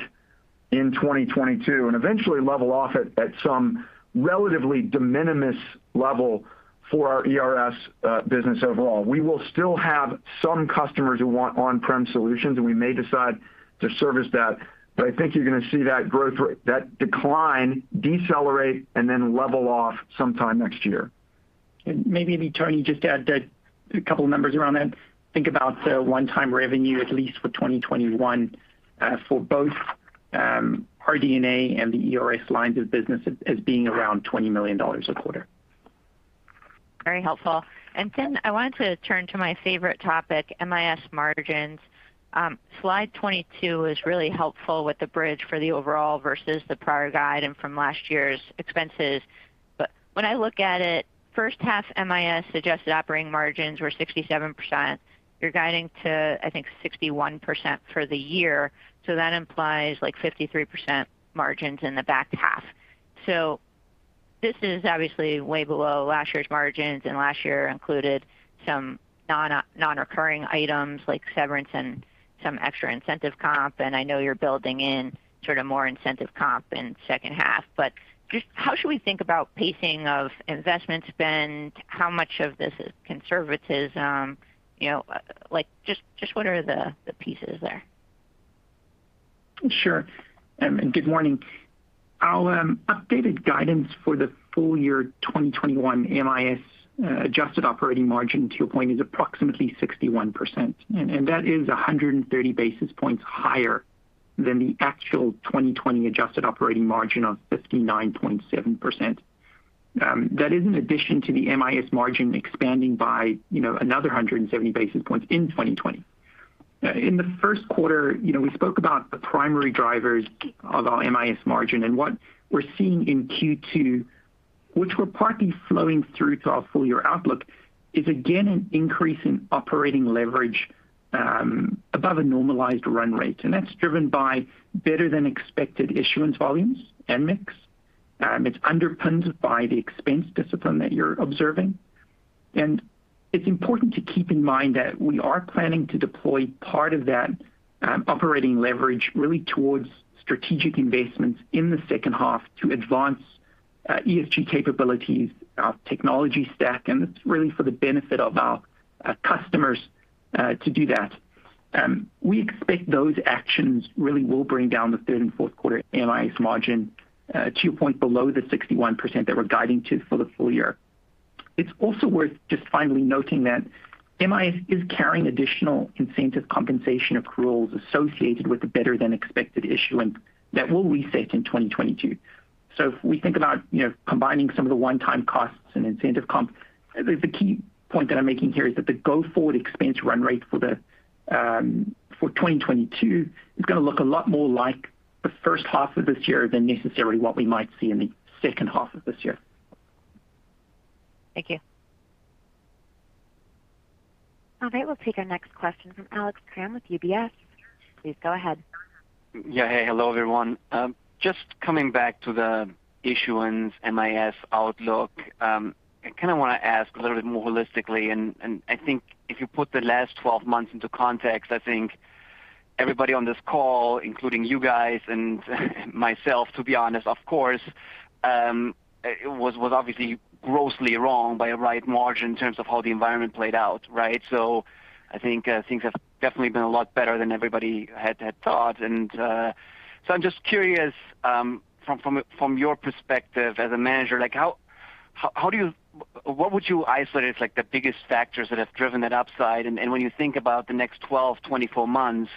in 2022 and eventually level off at some relatively de minimis level for our ERS business overall. We will still have some customers who want on-prem solutions, and we may decide to service that, but I think you're going to see that decline decelerate and then level off sometime next year. Maybe, Toni, just to add a couple of numbers around that. Think about the one-time revenue, at least for 2021, for both RD&A and the ERS lines of business as being around $20 million a quarter. Very helpful. Tim, I wanted to turn to my favorite topic, MIS margins. Slide 22 is really helpful with the bridge for the overall versus the prior guide and from last year's expenses. When I look at it, first half MIS adjusted operating margins were 67%. You're guiding to, I think, 61% for the year. That implies 53% margins in the back half. This is obviously way below last year's margins, and last year included some non-recurring items like severance and some extra incentive comp, and I know you're building in more incentive comp in second half. Just how should we think about pacing of investment spend? How much of this is conservatism? Just what are the pieces there? Sure. Good morning. Our updated guidance for the full year 2021 MIS adjusted operating margin to your point is approximately 61%, and that is 130 basis points higher than the actual 2020 adjusted operating margin of 59.7%. That is in addition to the MIS margin expanding by another 170 basis points in 2020. In the first quarter, we spoke about the primary drivers of our MIS margin, and what we're seeing in Q2, which we're partly flowing through to our full-year outlook, is again an increase in operating leverage above a normalized run rate. That's driven by better-than-expected issuance volumes and mix. It's underpinned by the expense discipline that you're observing. It's important to keep in mind that we are planning to deploy part of that operating leverage really towards strategic investments in the second half to advance ESG capabilities, our technology stack. It's really for the benefit of our customers to do that. We expect those actions really will bring down the third and fourth quarter MIS margin two points below the 61% that we're guiding to for the full year. It's also worth just finally noting that MIS is carrying additional incentive compensation accruals associated with the better than expected issuance that will reset in 2022. If we think about combining some of the one-time costs and incentive comp, the key point that I'm making here is that the go-forward expense run rate for 2022 is going to look a lot more like the first half of this year than necessarily what we might see in the second half of this year. Thank you. All right. We'll take our next question from Alex Kramm with UBS. Please go ahead. Hey. Hello, everyone. Just coming back to the issuance MIS outlook, I kind of want to ask a little bit more holistically. I think if you put the last 12 months into context, I think everybody on this call, including you guys and myself, to be honest, of course, was obviously grossly wrong by a wide margin in terms of how the environment played out, right? I think things have definitely been a lot better than everybody had thought. I'm just curious from your perspective as a manager, what would you isolate as the biggest factors that have driven that upside? When you think about the next 12, 24 months,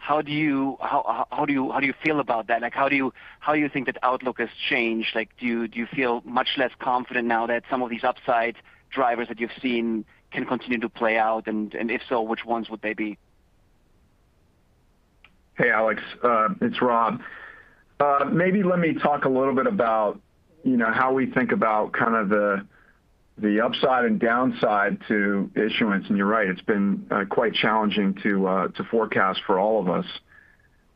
how do you feel about that? How do you think that outlook has changed? Do you feel much less confident now that some of these upside drivers that you've seen can continue to play out? If so, which ones would they be? Hey, Alex. It's Rob. Maybe let me talk a little bit about how we think about kind of the upside and downside to issuance. You're right, it's been quite challenging to forecast for all of us.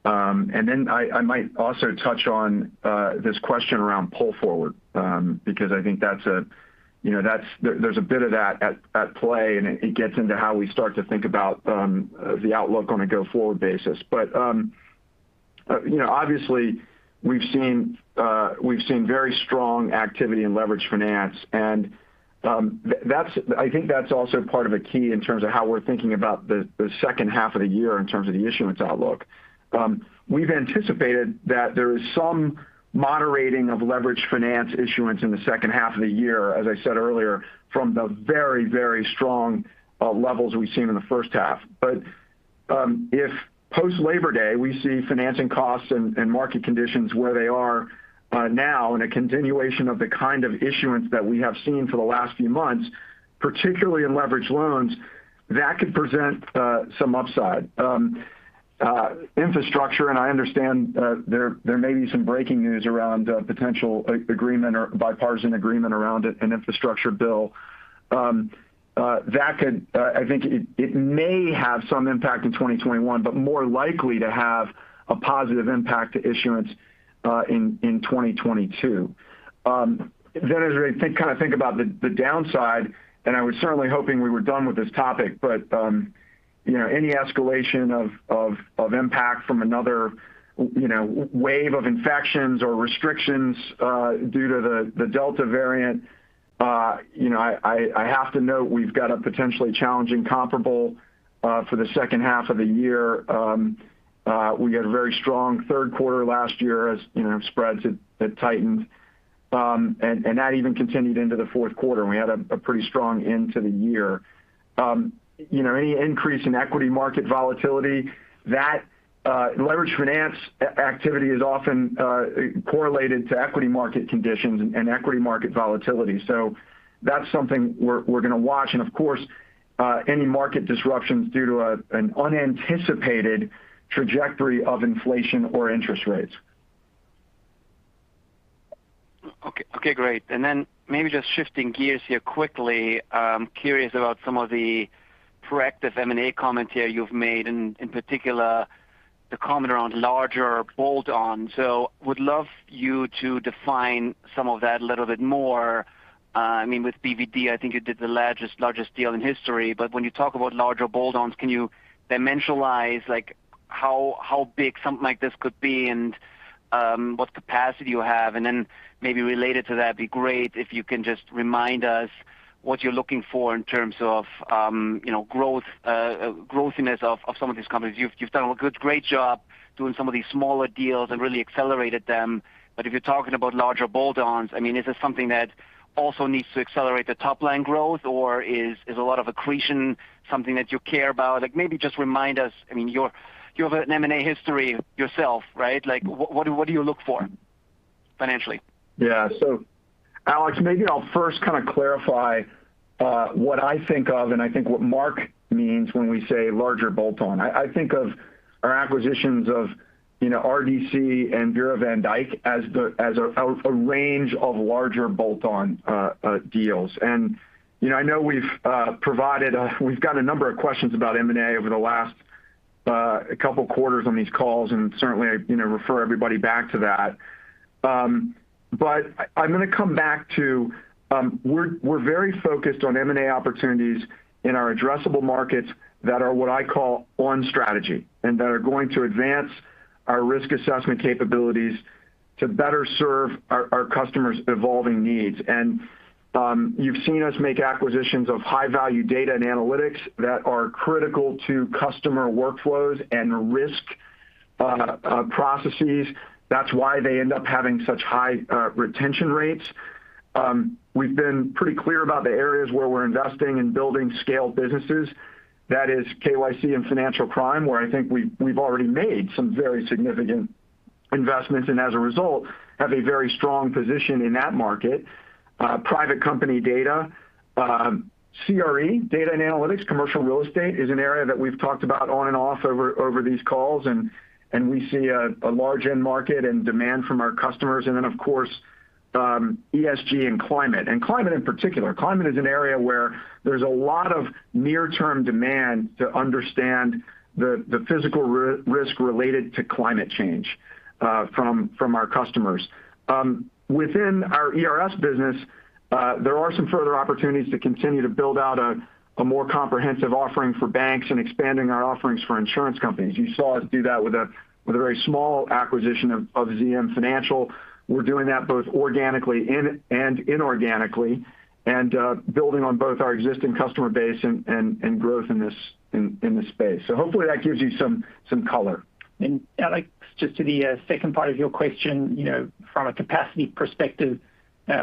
I might also touch on this question around pull-forward because I think there's a bit of that at play, and it gets into how we start to think about the outlook on a go-forward basis. Obviously we've seen very strong activity in leveraged finance, and I think that's also part of a key in terms of how we're thinking about the second half of the year in terms of the issuance outlook. We've anticipated that there is some moderating of leveraged finance issuance in the second half of the year, as I said earlier, from the very, very strong levels we've seen in the first half. If post Labor Day, we see financing costs and market conditions where they are now, and a continuation of the kind of issuance that we have seen for the last few months, particularly in leveraged loans, that could present some upside. Infrastructure, and I understand there may be some breaking news around potential agreement or bipartisan agreement around an infrastructure bill. I think it may have some impact in 2021, but more likely to have a positive impact to issuance in 2022. As I kind of think about the downside, and I was certainly hoping we were done with this topic, but any escalation of impact from another wave of infections or restrictions due to the Delta variant, I have to note we've got a potentially challenging comparable for the second half of the year. We had a very strong third quarter last year as spreads had tightened. That even continued into the fourth quarter, and we had a pretty strong end to the year. Any increase in equity market volatility, leveraged finance activity is often correlated to equity market conditions and equity market volatility. That's something we're going to watch. Of course, any market disruptions due to an unanticipated trajectory of inflation or interest rates. Okay. Great. Then maybe just shifting gears here quickly. I'm curious about some of the proactive M&A comments here you've made, in particular the comment around larger bolt-ons. Would love you to define some of that a little bit more. With BVD, I think you did the largest deal in history, but when you talk about larger bolt-ons, can you dimensionalize how big something like this could be and what capacity you have? Then maybe related to that, it'd be great if you can just remind us what you're looking for in terms of growthiness of some of these companies. You've done a great job doing some of these smaller deals and really accelerated them. If you're talking about larger bolt-ons, is this something that also needs to accelerate the top-line growth, or is a lot of accretion something that you care about? Maybe just remind us. You have an M&A history yourself, right? What do you look for financially? Yeah. Alex, maybe I'll first kind of clarify what I think of, and I think what Mark means when we say larger bolt-on. I think of our acquisitions of RDC and Bureau van Dijk as a range of larger bolt-on deals. I know we've got a number of questions about M&A over the last couple quarters on these calls, and certainly I refer everybody back to that. I'm going to come back to we're very focused on M&A opportunities in our addressable markets that are what I call on strategy, and that are going to advance our risk assessment capabilities to better serve our customers' evolving needs. You've seen us make acquisitions of high-value data and analytics that are critical to customer workflows and risk processes. That's why they end up having such high retention rates. We've been pretty clear about the areas where we're investing in building scale businesses. That is KYC and financial crime, where I think we've already made some very significant investments, and as a result, have a very strong position in that market. Private company data, CRE, data and analytics, commercial real estate is an area that we've talked about on and off over these calls and we see a large end market and demand from our customers. Of course, ESG and climate. Climate in particular. Climate is an area where there's a lot of near-term demand to understand the physical risk related to climate change from our customers. Within our ERS business, there are some further opportunities to continue to build out a more comprehensive offering for banks and expanding our offerings for insurance companies. You saw us do that with a very small acquisition of ZM Financial. We're doing that both organically and inorganically, and building on both our existing customer base and growth in this space. Hopefully that gives you some color. I'd like just to the second part of your question from a capacity perspective,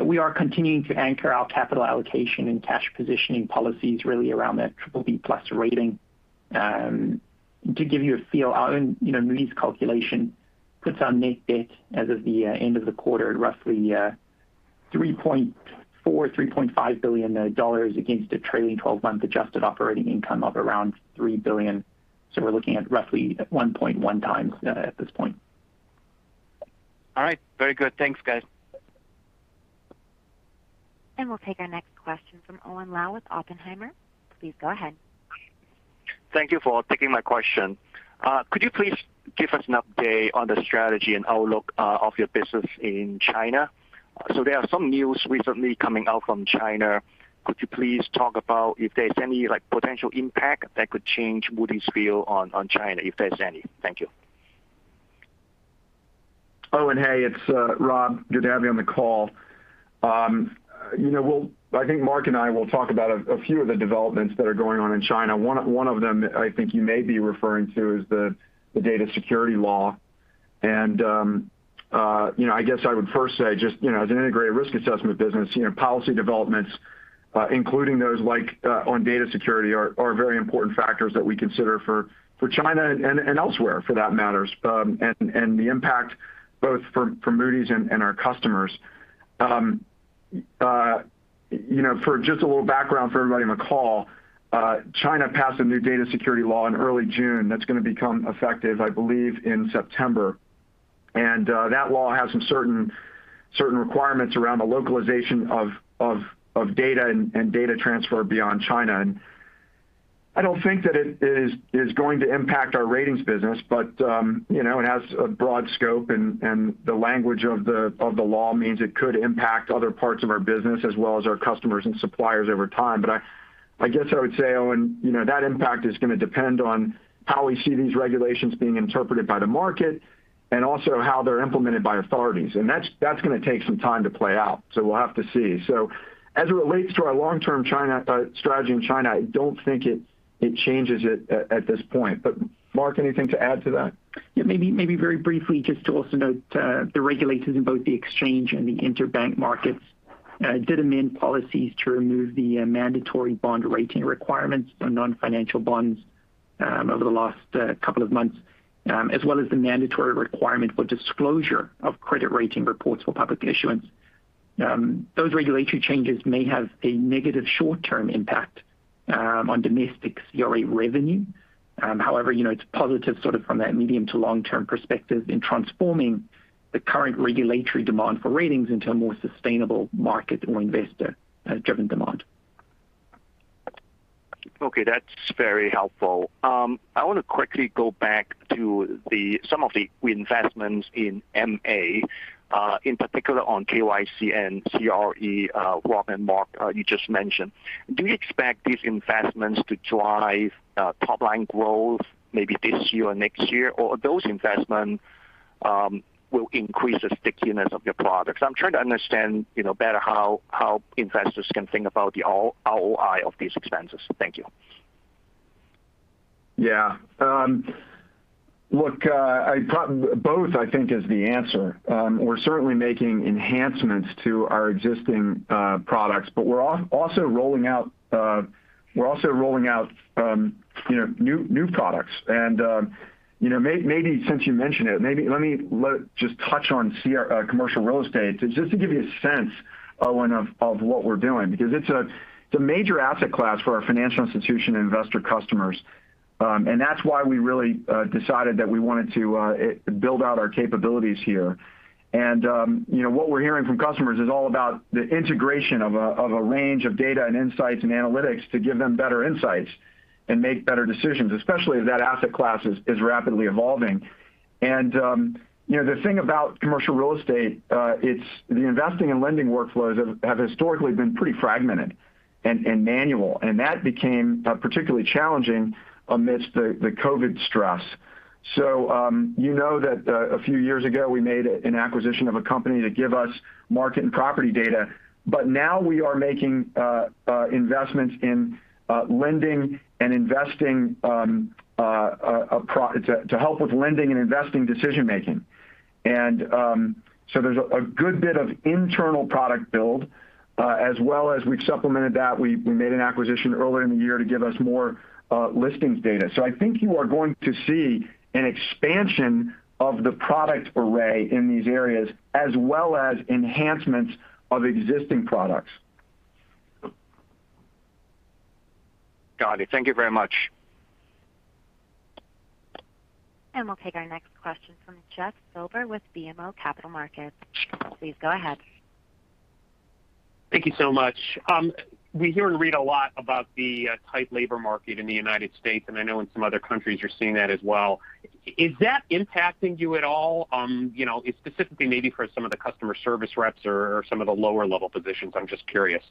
we are continuing to anchor our capital allocation and cash positioning policies really around that BBB+ rating. To give you a feel, our own lease calculation puts our net debt as of the end of the quarter at roughly $3.4 billion-$3.5 billion against a trailing 12-month adjusted operating income of around $3 billion. We're looking at roughly at 1.1x, at this point. All right. Very good. Thanks, guys. We'll take our next question from Owen Lau with Oppenheimer. Please go ahead. Thank you for taking my question. Could you please give us an update on the strategy and outlook of your business in China? There are some news recently coming out from China. Could you please talk about if there's any potential impact that could change Moody's view on China, if there's any? Thank you. Owen, hey, it's Rob. Good to have you on the call. I think Mark and I will talk about a few of the developments that are going on in China. One of them I think you may be referring to is the data security law. I guess I would first say just as an integrated risk assessment business, policy developments including those on data security are very important factors that we consider for China and elsewhere for that matters. The impact both for Moody's and our customers. For just a little background for everybody on the call, China passed a new data security law in early June that's going to become effective, I believe, in September. That law has some certain requirements around the localization of data and data transfer beyond China. I don't think that it is going to impact our ratings business, but it has a broad scope and the language of the law means it could impact other parts of our business as well as our customers and suppliers over time. I guess I would say, Owen, that impact is going to depend on how we see these regulations being interpreted by the market, and also how they're implemented by authorities. That's going to take some time to play out, so we'll have to see. As it relates to our long-term strategy in China, I don't think it changes it at this point. Mark, anything to add to that? Maybe very briefly, just to also note the regulators in both the exchange and the interbank markets did amend policies to remove the mandatory bond rating requirements for non-financial bonds over the last couple of months, as well as the mandatory requirement for disclosure of credit rating reports for public issuance. Those regulatory changes may have a negative short-term impact on domestic CRE revenue. It's positive sort of from that medium-to-long-term perspective in transforming the current regulatory demand for ratings into a more sustainable market or investor-driven demand. Okay. That's very helpful. I want to quickly go back to some of the investments in MA, in particular on KYC and CRE, Rob and Mark, you just mentioned. Do you expect these investments to drive top-line growth maybe this year or next year, or those investments will increase the stickiness of your products? I'm trying to understand better how investors can think about the ROI of these expenses. Thank you. Yeah. Look, both, I think is the answer. We're certainly making enhancements to our existing products, but we're also rolling out new products. Maybe since you mentioned it, maybe let me just touch on commercial real estate, just to give you a sense, Owen, of what we're doing, because it's a major asset class for our financial institution and investor customers. That's why we really decided that we wanted to build out our capabilities here. What we're hearing from customers is all about the integration of a range of data and insights and analytics to give them better insights and make better decisions, especially as that asset class is rapidly evolving. The thing about commercial real estate, the investing and lending workflows have historically been pretty fragmented and manual, and that became particularly challenging amidst the COVID stress. You know that a few years ago we made an acquisition of a company to give us market and property data, but now we are making investments to help with lending and investing decision-making. There's a good bit of internal product build, as well as we've supplemented that. We made an acquisition earlier in the year to give us more listings data. I think you are going to see an expansion of the product array in these areas, as well as enhancements of existing products. Got it. Thank you very much. We'll take our next question from Jeff Silber with BMO Capital Markets. Please go ahead. Thank you so much. We hear and read a lot about the tight labor market in the U.S., and I know in some other countries you're seeing that as well. Is that impacting you at all? Specifically maybe for some of the customer service reps or some of the lower-level positions. I'm just curious.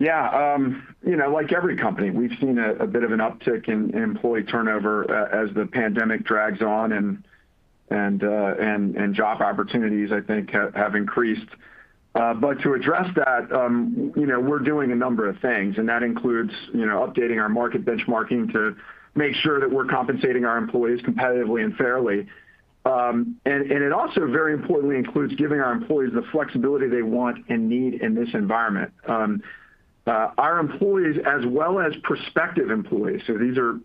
Yeah. Like every company, we've seen a bit of an uptick in employee turnover as the pandemic drags on and job opportunities, I think, have increased. To address that we're doing a number of things, and that includes updating our market benchmarking to make sure that we're compensating our employees competitively and fairly. It also very importantly includes giving our employees the flexibility they want and need in this environment. Our employees as well as prospective employees, so these are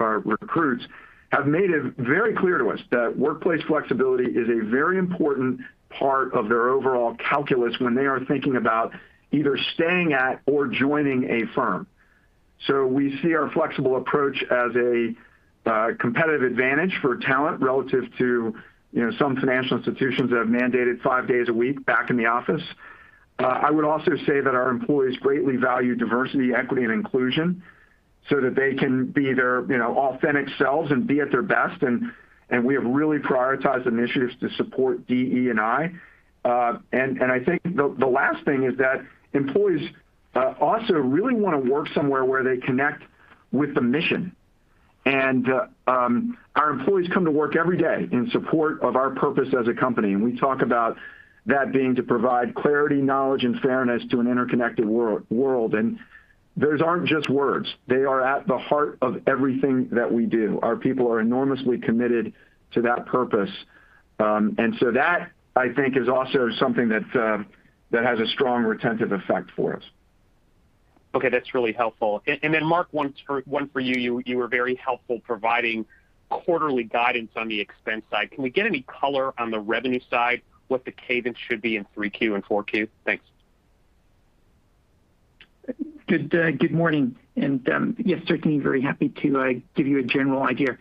our recruits, have made it very clear to us that workplace flexibility is a very important part of their overall calculus when they are thinking about either staying at or joining a firm. We see our flexible approach as a competitive advantage for talent relative to some financial institutions that have mandated five days a week back in the office. I would also say that our employees greatly value diversity, equity, and inclusion so that they can be their authentic selves and be at their best, and we have really prioritized initiatives to support DE&I. I think the last thing is that employees also really want to work somewhere where they connect with the mission. Our employees come to work every day in support of our purpose as a company, and we talk about that being to provide clarity, knowledge, and fairness to an interconnected world. Those aren't just words. They are at the heart of everything that we do. Our people are enormously committed to that purpose. That, I think, is also something that has a strong retentive effect for us. Okay. That's really helpful. Mark, one for you. You were very helpful providing quarterly guidance on the expense side. Can we get any color on the revenue side, what the cadence should be in Q3 and Q4? Thanks. Good morning. Yes, certainly very happy to give you a general idea.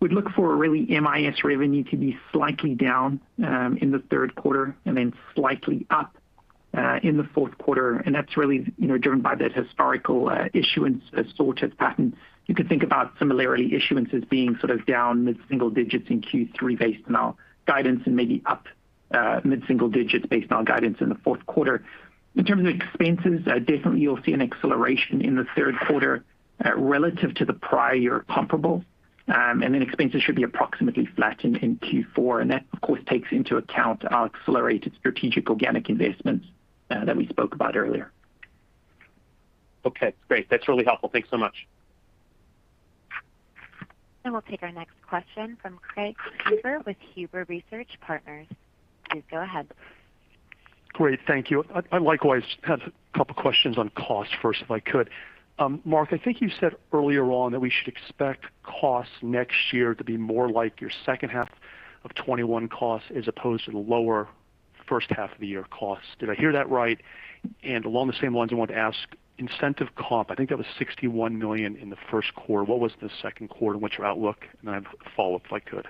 We'd look for really MIS revenue to be slightly down in the third quarter then slightly up in the fourth quarter. That's really driven by that historical issuance sort of pattern. You can think about similarly issuances being sort of down mid-single digits in Q3 based on our guidance and maybe up mid-single digits based on guidance in the fourth quarter. In terms of expenses, definitely you'll see an acceleration in the third quarter relative to the prior comparable. Then expenses should be approximately flat in Q4, and that of course takes into account our accelerated strategic organic investments that we spoke about earlier. Okay, great. That's really helpful. Thanks so much. We'll take our next question from Craig Huber with Huber Research Partners. Please go ahead. Great. Thank you. I likewise have a couple questions on cost first, if I could. Mark, I think you said earlier on that we should expect costs next year to be more like your second half of 2021 costs as opposed to the lower first half of the year costs. Did I hear that right? Along the same lines, I want to ask incentive comp. I think that was $61 million in the first quarter. What was the second quarter and what's your outlook? I have a follow-up, if I could.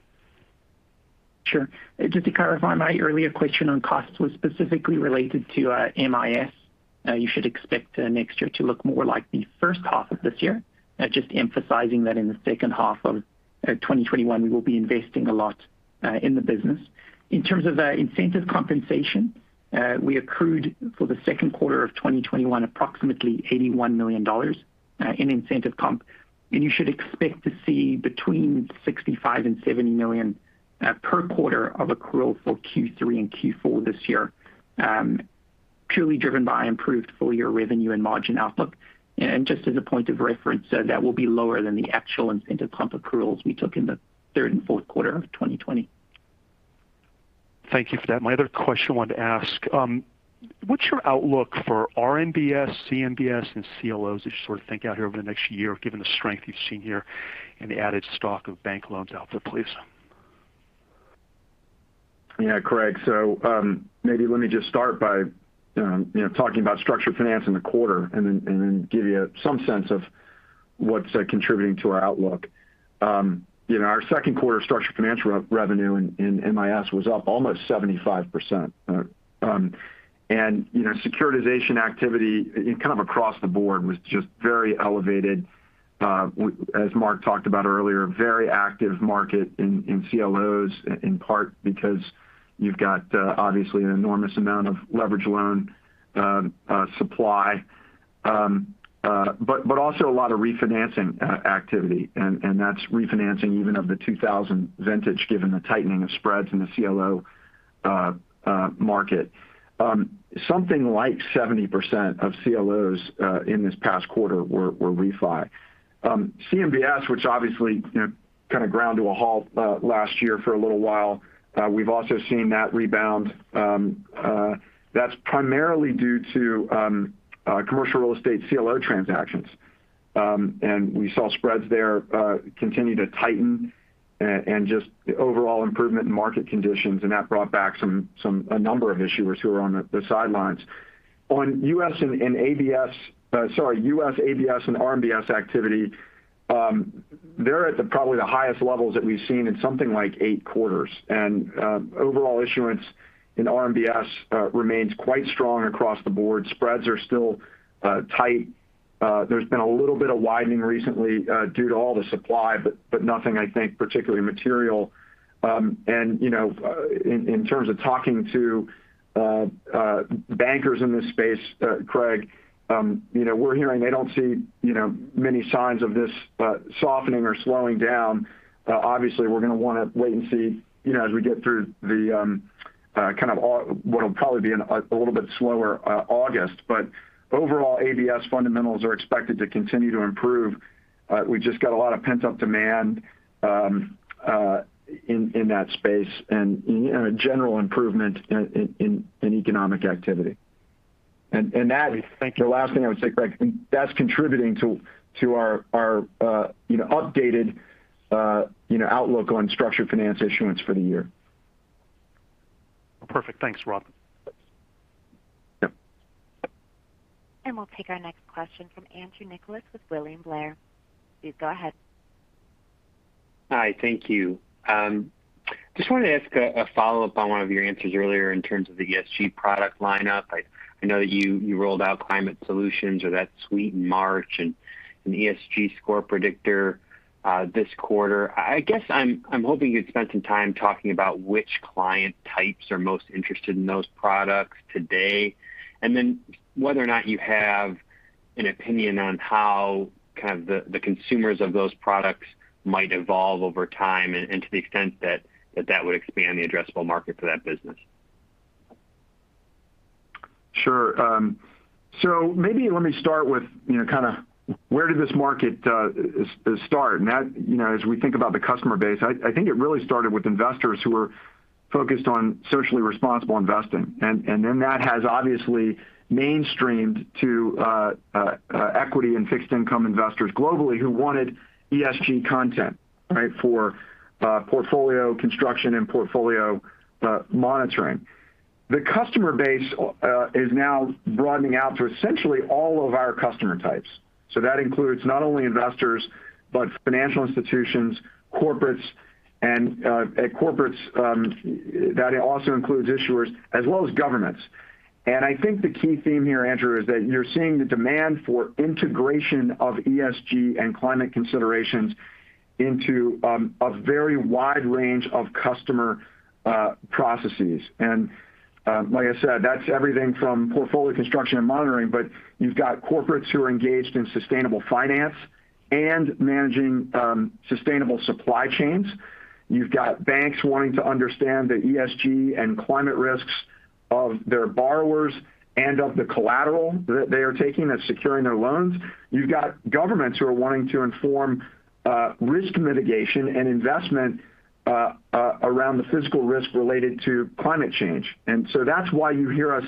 Sure. Just to clarify, my earlier question on costs was specifically related to MIS. You should expect next year to look more like the first half of this year. Just emphasizing that in the second half of 2021, we will be investing a lot in the business. In terms of incentive compensation, we accrued for the second quarter of 2021 approximately $81 million in incentive comp, and you should expect to see between $65 million and $70 million per quarter of accrual for Q3 and Q4 this year purely driven by improved full-year revenue and margin outlook. Just as a point of reference, that will be lower than the actual incentive comp accruals we took in the third and fourth quarter of 2020. Thank you for that. My other question I wanted to ask, what's your outlook for RMBS, CMBS, and CLOs as you sort of think out here over the next year given the strength you've seen here and the added stock of bank loans out there, please? Yeah, Craig. Maybe let me just start by talking about structured finance in the quarter and then give you some sense of what's contributing to our outlook. Our second quarter structured finance revenue in MIS was up almost 75%. Securitization activity kind of across the board was just very elevated. As Mark talked about earlier, very active market in CLOs, in part because you've got obviously an enormous amount of leverage loan supply. Also a lot of refinancing activity, and that's refinancing even of the 2000 vintage, given the tightening of spreads in the CLO market. Something like 70% of CLOs in this past quarter were refi. CMBS, which obviously kind of ground to a halt last year for a little while. We've also seen that rebound. That's primarily due to commercial real estate CLO transactions. We saw spreads there continue to tighten, and just the overall improvement in market conditions, and that brought back a number of issuers who are on the sidelines. U.S. ABS and RMBS activity, they're at probably the highest levels that we've seen in something like eight quarters. Overall issuance in RMBS remains quite strong across the board. Spreads are still tight. There's been a little bit of widening recently due to all the supply, but nothing, I think, particularly material. In terms of talking to bankers in this space, Craig, we're hearing they don't see many signs of this softening or slowing down. Obviously, we're going to want to wait and see as we get through what'll probably be a little bit slower August. Overall ABS fundamentals are expected to continue to improve. We just got a lot of pent-up demand in that space and a general improvement in economic activity. Thank you. The last thing I would say, Craig, that's contributing to our updated outlook on structured finance issuance for the year. Perfect. Thanks, Rob. Yep. We'll take our next question from Andrew Nicholas with William Blair. Please go ahead. Hi, thank you. Just wanted to ask a follow-up on one of your answers earlier in terms of the ESG product lineup. I know that you rolled out climate solutions or that suite in March, and an ESG Score Predictor this quarter. I guess I'm hoping you'd spend some time talking about which client types are most interested in those products today, and then whether or not you have an opinion on how the consumers of those products might evolve over time, and to the extent that that would expand the addressable market for that business. Sure. Maybe let me start with where did this market start? As we think about the customer base, I think it really started with investors who were focused on socially responsible investing. That has obviously mainstreamed to equity and fixed income investors globally who wanted ESG content for portfolio construction and portfolio monitoring. The customer base is now broadening out to essentially all of our customer types. That includes not only investors, but financial institutions, corporates. Corporates, that also includes issuers as well as governments. I think the key theme here, Andrew, is that you're seeing the demand for integration of ESG and climate considerations into a very wide range of customer processes. Like I said, that's everything from portfolio construction and monitoring, but you've got corporates who are engaged in sustainable finance and managing sustainable supply chains. You've got banks wanting to understand the ESG and climate risks of their borrowers and of the collateral that they are taking that's securing their loans. You've got governments who are wanting to inform risk mitigation and investment around the physical risk related to climate change. That's why you hear us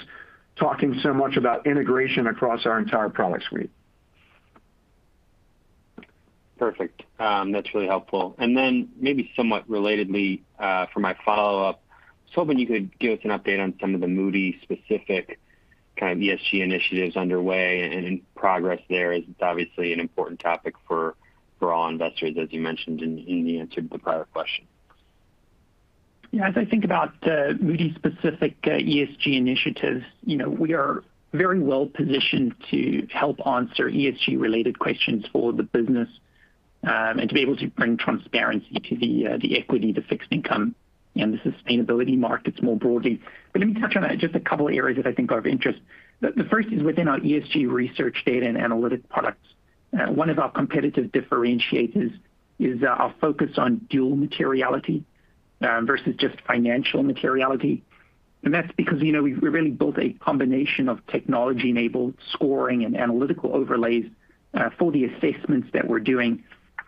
talking so much about integration across our entire product suite. Perfect. That's really helpful. Maybe somewhat relatedly for my follow-up, I was hoping you could give us an update on some of the Moody's specific kind of ESG initiatives underway and progress there. It's obviously an important topic for all investors, as you mentioned in the answer to the prior question. Yeah. As I think about Moody's specific ESG initiatives, we are very well-positioned to help answer ESG-related questions for the business, and to be able to bring transparency to the equity, the fixed income, and the sustainability markets more broadly. Let me touch on just a couple of areas that I think are of interest. The first is within our ESG research data and analytics products. One of our competitive differentiators is our focus on dual materiality versus just financial materiality. That's because we've really built a combination of technology-enabled scoring and analytical overlays for the assessments that we're doing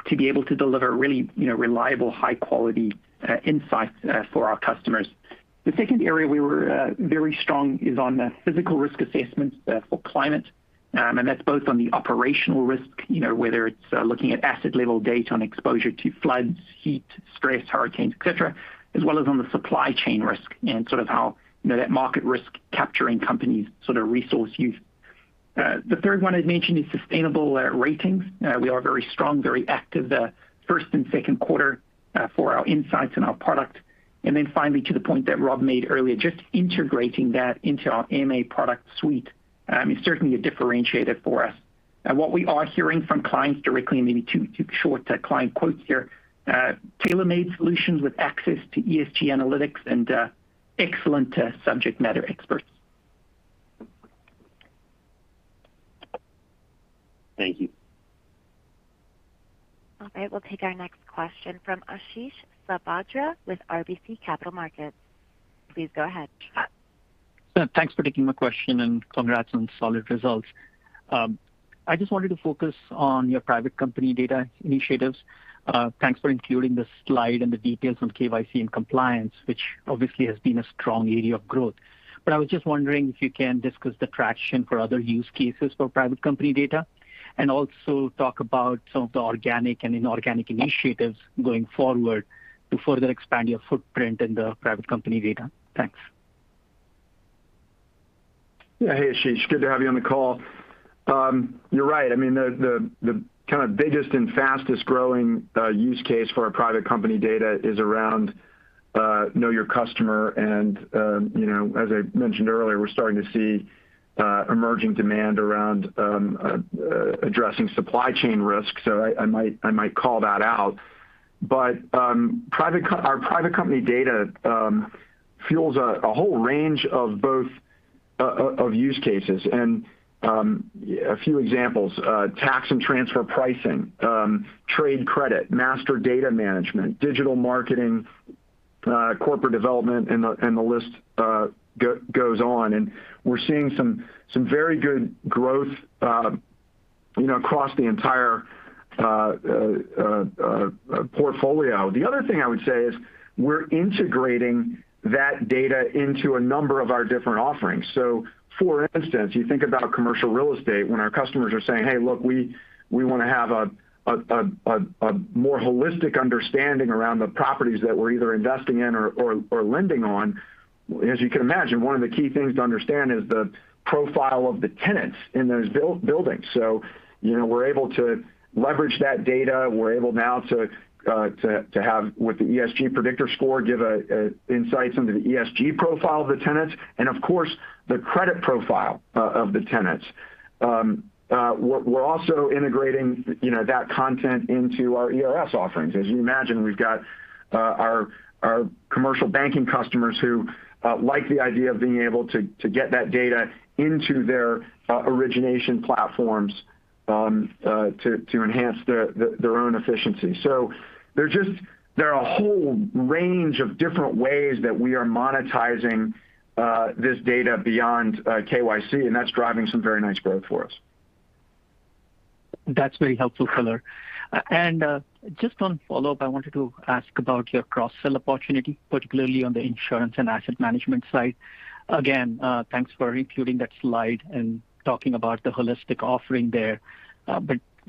to be able to deliver really reliable, high-quality insights for our customers. The second area we were very strong is on physical risk assessments for climate. That's both on the operational risk, whether it's looking at asset-level data on exposure to floods, heat stress, hurricanes, et cetera, as well as on the supply chain risk and sort of how that market risk capturing companies sort of resource use. The third one I'd mention is sustainable ratings. We are very strong, very active first and second quarter for our insights and our product. Finally, to the point that Rob made earlier, just integrating that into our MA product suite. It's certainly a differentiator for us. What we are hearing from clients directly, and maybe two short client quotes here, "Tailor-made solutions with access to ESG analytics and excellent subject matter experts. Thank you. All right, we'll take our next question from Ashish Sabadra with RBC Capital Markets. Please go ahead. Thanks for taking my question and congrats on the solid results. I just wanted to focus on your private company data initiatives. Thanks for including the slide and the details on KYC and compliance, which obviously has been a strong area of growth. I was just wondering if you can discuss the traction for other use cases for private company data, and also talk about some of the organic and inorganic initiatives going forward to further expand your footprint in the private company data. Thanks. Yeah. Hey, Ashish. Good to have you on the call. You're right. The kind of biggest and fastest-growing use case for our private company data is around know your customer and, as I mentioned earlier, we're starting to see emerging demand around addressing supply chain risk. I might call that out. Our private company data fuels a whole range of use cases and a few examples, tax and transfer pricing, trade credit, master data management, digital marketing, corporate development, and the list goes on. We're seeing some very good growth across the entire portfolio. The other thing I would say is we're integrating that data into a number of our different offerings. For instance, you think about commercial real estate, when our customers are saying, "Hey, look, we want to have a more holistic understanding around the properties that we're either investing in or lending on." As you can imagine, one of the key things to understand is the profile of the tenants in those buildings. We're able to leverage that data. We're able now to have, with the ESG Score Predictor, give insights into the ESG profile of the tenants, and of course, the credit profile of the tenants. We're also integrating that content into our ERS offerings. As you can imagine, we've got our commercial banking customers who like the idea of being able to get that data into their origination platforms to enhance their own efficiency. There are a whole range of different ways that we are monetizing this data beyond KYC, and that's driving some very nice growth for us. That's very helpful, color. Just on follow-up, I wanted to ask about your cross-sell opportunity, particularly on the insurance and asset management side. Again, thanks for including that slide and talking about the holistic offering there.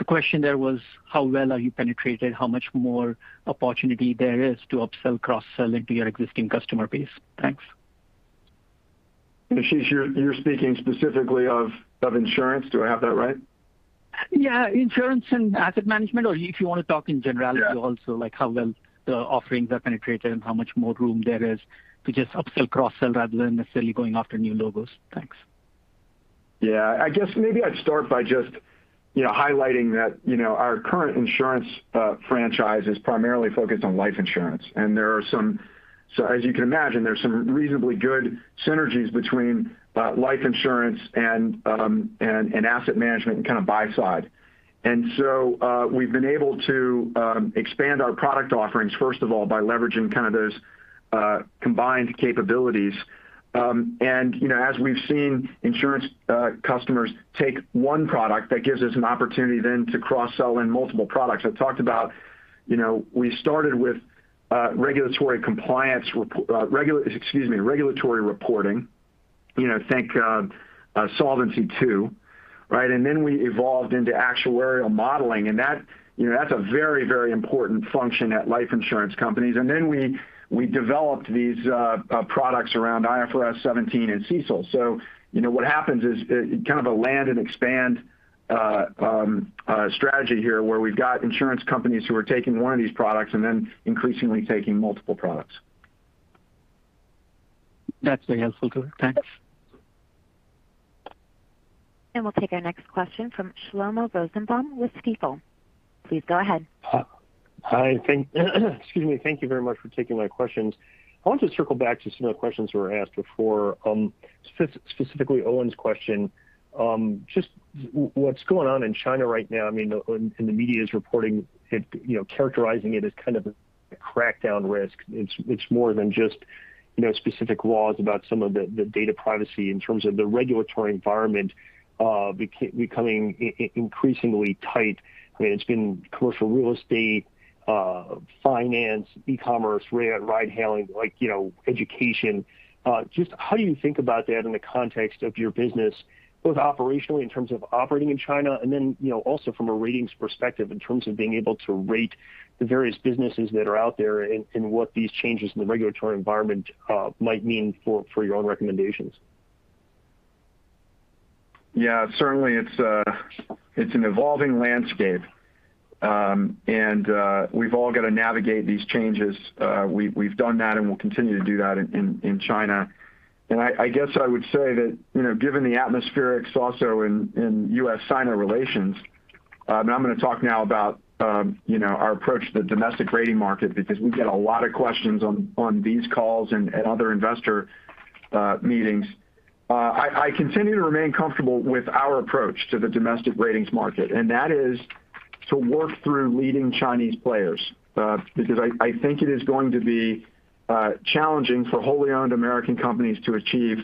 The question there was how well are you penetrated, how much more opportunity there is to upsell, cross-sell into your existing customer base? Thanks. Ashish, you're speaking specifically of insurance. Do I have that right? Yeah. Insurance and asset management or if you want to talk in generality. Yeah like how well the offerings are penetrated and how much more room there is to just upsell, cross-sell rather than necessarily going after new logos. Thanks. Yeah. I guess maybe I'd start by just highlighting that our current insurance franchise is primarily focused on life insurance. As you can imagine, there's some reasonably good synergies between life insurance and asset management and kind of buy side. We've been able to expand our product offerings, first of all, by leveraging kind of those combined capabilities. As we've seen insurance customers take one product, that gives us an opportunity then to cross-sell in multiple products. I talked about we started with regulatory reporting. Think Solvency II. We evolved into actuarial modeling, and that's a very important function at life insurance companies. We developed these products around IFRS 17 and CECL. What happens is kind of a land and expand strategy here where we've got insurance companies who are taking one of these products and then increasingly taking multiple products. That's very helpful, color. Thanks. We'll take our next question from Shlomo Rosenbaum with Stifel. Please go ahead. Hi. Thank you very much for taking my questions. I want to circle back to some of the questions that were asked before, specifically Owen's question. Just what's going on in China right now, and the media is reporting it, characterizing it as kind of a crackdown risk. It's more than just specific laws about some of the data privacy in terms of the regulatory environment becoming increasingly tight. It's been commercial real estate, finance, e-commerce, ride hailing, education. Just how do you think about that in the context of your business, both operationally in terms of operating in China and then also from a ratings perspective in terms of being able to rate the various businesses that are out there and what these changes in the regulatory environment might mean for your own recommendations? Yeah. Certainly, it's an evolving landscape. We've all got to navigate these changes. We've done that and we'll continue to do that in China. I guess I would say that, given the atmospherics also in U.S.-Sino relations, I'm going to talk now about our approach to the domestic rating market because we get a lot of questions on these calls and at other investor meetings. I continue to remain comfortable with our approach to the domestic ratings market, that is to work through leading Chinese players. Because I think it is going to be challenging for wholly-owned American companies to achieve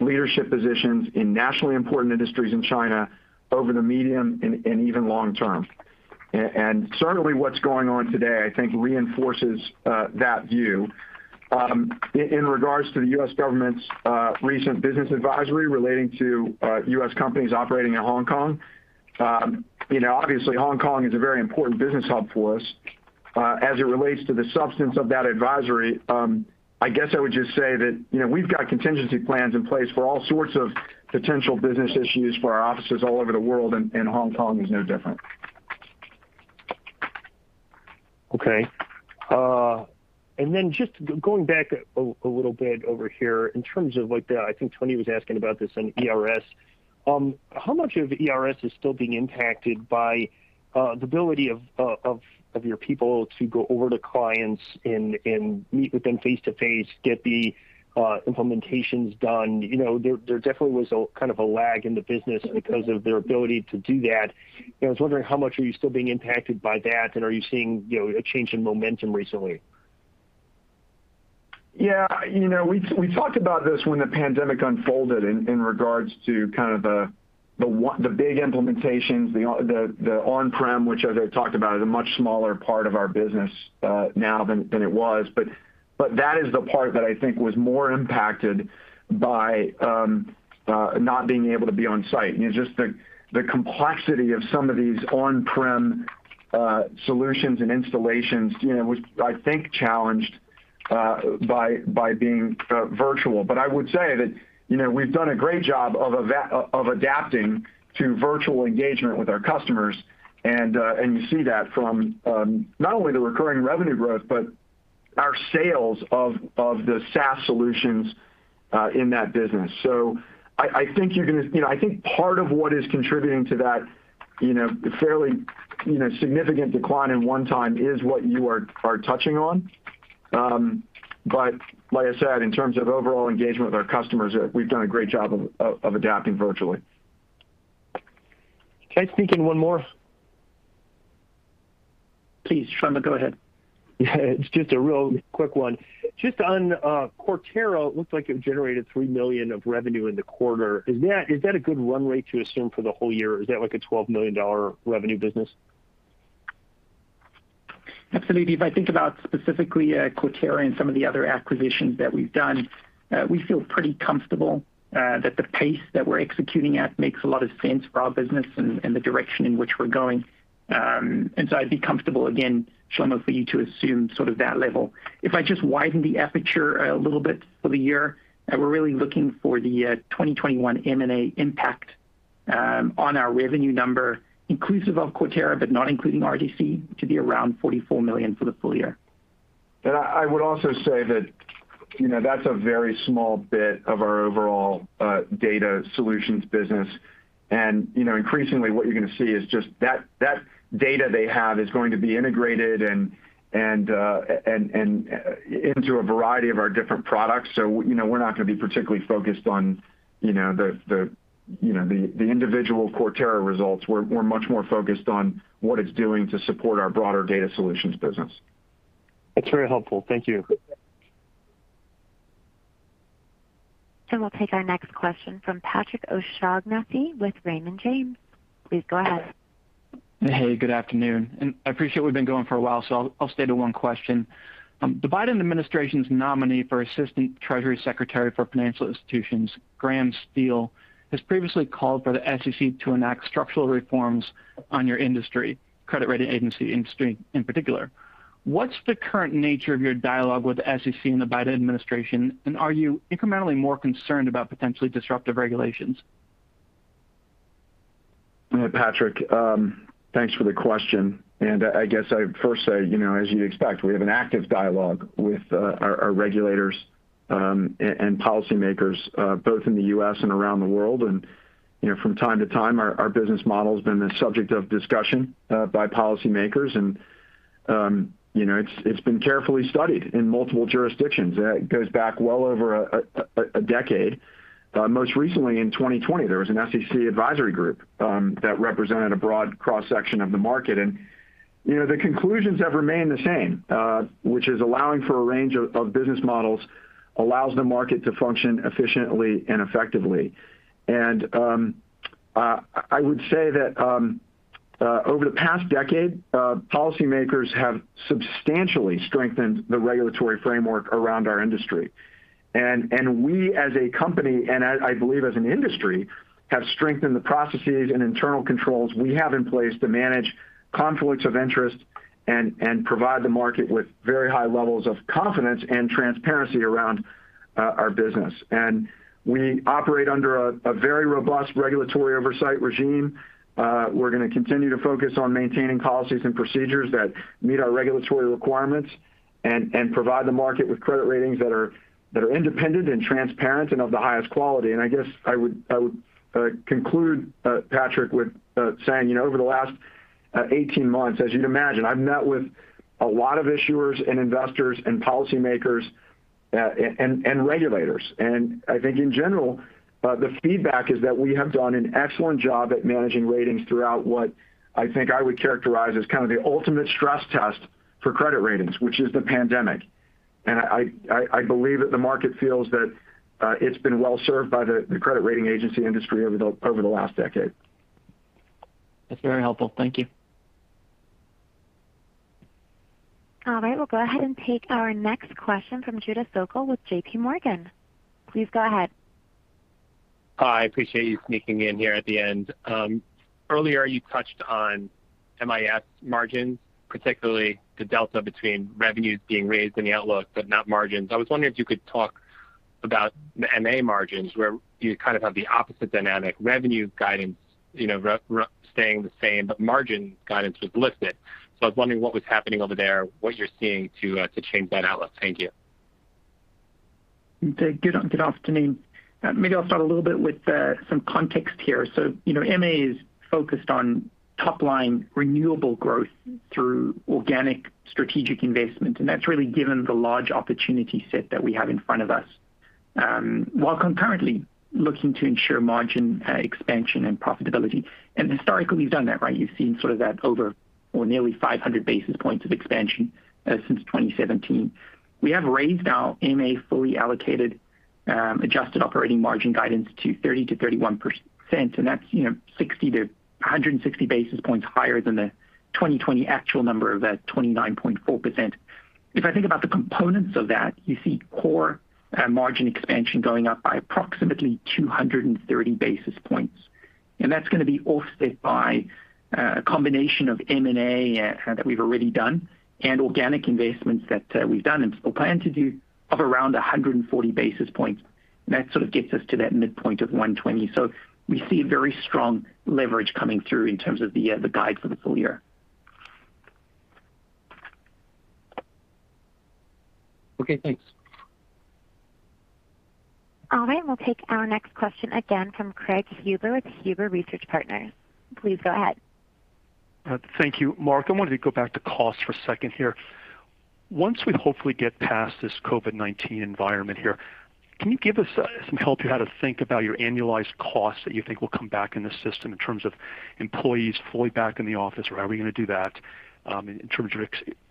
leadership positions in nationally important industries in China over the medium and even long term. Certainly what's going on today, I think, reinforces that view. In regards to the U.S. government's recent business advisory relating to U.S. companies operating in Hong Kong, obviously Hong Kong is a very important business hub for us. As it relates to the substance of that advisory, I guess I would just say that we've got contingency plans in place for all sorts of potential business issues for our offices all over the world, and Hong Kong is no different. Okay. Just going back a little bit over here in terms of I think Toni was asking about this in ERS. How much of ERS is still being impacted by the ability of your people to go over to clients and meet with them face-to-face, get the implementations done? There definitely was kind of a lag in the business because of their ability to do that. I was wondering how much are you still being impacted by that, and are you seeing a change in momentum recently? Yeah. We talked about this when the pandemic unfolded in regards to kind of the big implementations, the on-prem, which as I talked about, is a much smaller part of our business now than it was. That is the part that I think was more impacted by not being able to be on site. Just the complexity of some of these on-prem solutions and installations was, I think, challenged by being virtual. I would say that we've done a great job of adapting to virtual engagement with our customers and you see that from not only the recurring revenue growth, but our sales of the SaaS solutions in that business. I think part of what is contributing to that fairly significant decline in one time is what you are touching on. Like I said, in terms of overall engagement with our customers, we've done a great job of adapting virtually. Can I sneak in one more? Please, Shlomo, go ahead. Yeah. It's just a real quick one. Just on Cortera, it looks like it generated $3 million of revenue in the quarter. Is that a good run rate to assume for the whole year? Is that like a $12 million revenue business? Absolutely. If I think about specifically Cortera and some of the other acquisitions that we've done, we feel pretty comfortable that the pace that we're executing at makes a lot of sense for our business and the direction in which we're going. I'd be comfortable, again, Shlomo, for you to assume sort of that level. If I just widen the aperture a little bit for the year, we're really looking for the 2021 M&A impact on our revenue number, inclusive of Cortera but not including RDC, to be around $44 million for the full year. I would also say that that's a very small bit of our overall data solutions business. Increasingly, what you're going to see is just that data they have is going to be integrated into a variety of our different products. We're not going to be particularly focused on the individual Cortera results. We're much more focused on what it's doing to support our broader data solutions business. That's very helpful. Thank you. We'll take our next question from Patrick O'Shaughnessy with Raymond James. Please go ahead. Good afternoon. I appreciate we've been going for a while, so I'll stay to one question. The Biden administration's nominee for Assistant Treasury Secretary for Financial Institutions, Graham Steele, has previously called for the SEC to enact structural reforms on your industry, credit rating agency industry in particular. What's the current nature of your dialogue with the SEC and the Biden administration, are you incrementally more concerned about potentially disruptive regulations? Patrick, thanks for the question. I guess I'd first say, as you'd expect, we have an active dialogue with our regulators and policy makers both in the U.S. and around the world. From time to time, our business model's been the subject of discussion by policy makers. It's been carefully studied in multiple jurisdictions. It goes back well over a decade. Most recently in 2020, there was an SEC advisory group that represented a broad cross-section of the market. The conclusions have remained the same, which is allowing for a range of business models allows the market to function efficiently and effectively. I would say that over the past decade, policy makers have substantially strengthened the regulatory framework around our industry. We as a company, and I believe as an industry, have strengthened the processes and internal controls we have in place to manage conflicts of interest and provide the market with very high levels of confidence and transparency around our business. We operate under a very robust regulatory oversight regime. We're going to continue to focus on maintaining policies and procedures that meet our regulatory requirements and provide the market with credit ratings that are independent and transparent and of the highest quality. I guess I would conclude, Patrick, with saying, over the last 18 months, as you'd imagine, I've met with a lot of issuers and investors and policymakers and regulators. I think in general, the feedback is that we have done an excellent job at managing ratings throughout what I think I would characterize as kind of the ultimate stress test for credit ratings, which is the pandemic. I believe that the market feels that it's been well-served by the credit rating agency industry over the last decade. That's very helpful. Thank you. All right, we'll go ahead and take our next question from Judah Sokol with JPMorgan. Please go ahead. Hi, I appreciate you sneaking in here at the end. Earlier you touched on MIS margins, particularly the delta between revenues being raised in the outlook but not margins. I was wondering if you could talk about MA margins where you kind of have the opposite dynamic, revenue guidance staying the same but margin guidance was lifted. I was wondering what was happening over there, what you're seeing to change that outlook. Thank you. Good afternoon. Maybe I'll start a little bit with some context here. MA is focused on top-line renewable growth through organic strategic investment, That's really given the large opportunity set that we have in front of us, while concurrently looking to ensure margin expansion and profitability. Historically we've done that, right? You've seen sort of that over or nearly 500 basis points of expansion since 2017. We have raised our MA fully allocated adjusted operating margin guidance to 30%-31%, That's 60-160 basis points higher than the 2020 actual number of 29.4%. If I think about the components of that, you see core margin expansion going up by approximately 230 basis points. That's going to be offset by a combination of M&A that we've already done and organic investments that we've done and still plan to do of around 140 basis points. That sort of gets us to that midpoint of 120. We see very strong leverage coming through in terms of the guide for the full year. Okay, thanks. All right, we'll take our next question again from Craig Huber with Huber Research Partners. Please go ahead. Thank you. Mark, I wanted to go back to cost for a second here. Once we hopefully get past this COVID-19 environment here, can you give us some help how to think about your annualized costs that you think will come back in the system in terms of employees fully back in the office or however you're going to do that, in terms of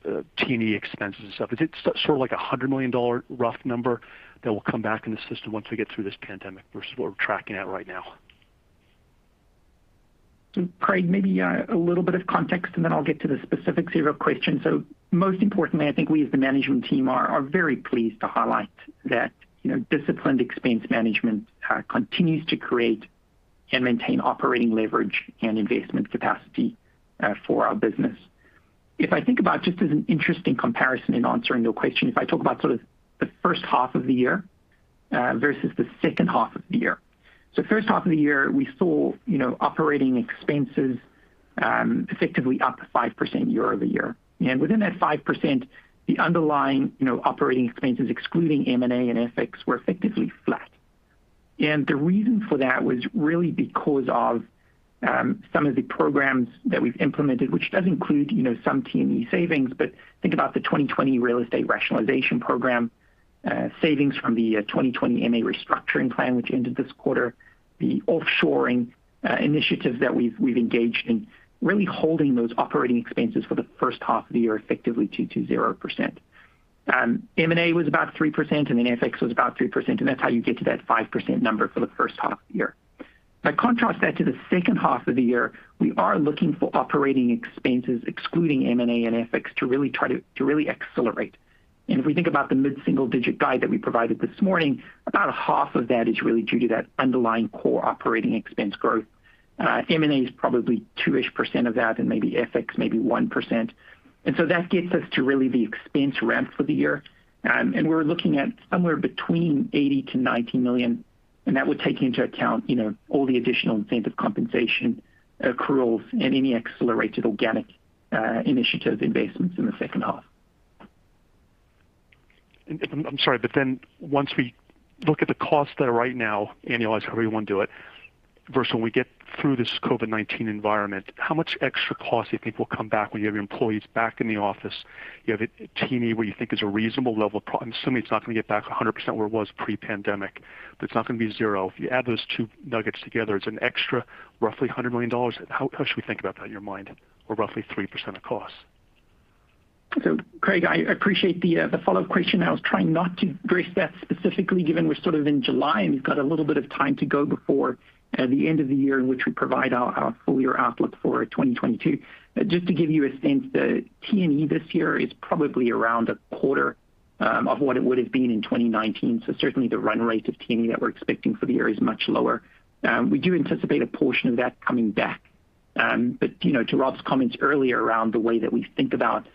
your T&E expenses and stuff? Is it sort of like a $100 million rough number that will come back in the system once we get through this pandemic versus what we're tracking at right now? Craig, maybe a little bit of context and then I'll get to the specifics of your question. Most importantly, I think we as the management team are very pleased to highlight that disciplined expense management continues to create and maintain operating leverage and investment capacity for our business. If I think about just as an interesting comparison in answering your question, if I talk about sort of the first half of the year versus the second half of the year. First half of the year, we saw operating expenses effectively up 5% year-over-year. Within that 5%, the underlying operating expenses excluding M&A and FX were effectively flat. The reason for that was really because of some of the programs that we've implemented, which does include some T&E savings, but think about the 2020 real estate rationalization program, savings from the 2020 MA restructuring plan which ended this quarter, the offshoring initiatives that we've engaged in, really holding those operating expenses for the first half of the year effectively to 0%. M&A was about 3% then FX was about 3%, and that's how you get to that 5% number for the first half of the year. Contrast that to the second half of the year, we are looking for operating expenses excluding M&A and FX to really accelerate. If we think about the mid-single digit guide that we provided this morning, about a half of that is really due to that underlying core operating expense growth. M&A is probably 2-ish% of that and maybe FX maybe 1%. That gets us to really the expense ramp for the year. We're looking at somewhere between $80 million-$90 million, and that would take into account all the additional incentive compensation accruals and any accelerated organic initiatives investments in the second half. I'm sorry, once we look at the costs that are right now, annualized, however you want to do it, versus when we get through this COVID-19 environment, how much extra cost do you think will come back when you have your employees back in the office? You have T&E where you think is a reasonable level. I'm assuming it's not going to get back 100% where it was pre-pandemic, but it's not going to be zero. If you add those two nuggets together, it's an extra roughly $100 million. How should we think about that in your mind, or roughly 3% of cost? Craig, I appreciate the follow-up question. I was trying not to grace that specifically given we're sort of in July, and we've got a little bit of time to go before the end of the year in which we provide our full year outlook for 2022. Just to give you a sense, the T&E this year is probably around a quarter of what it would have been in 2019. Certainly the run rate of T&E that we're expecting for the year is much lower. We do anticipate a portion of that coming back. To Rob's comments earlier around the way that we think about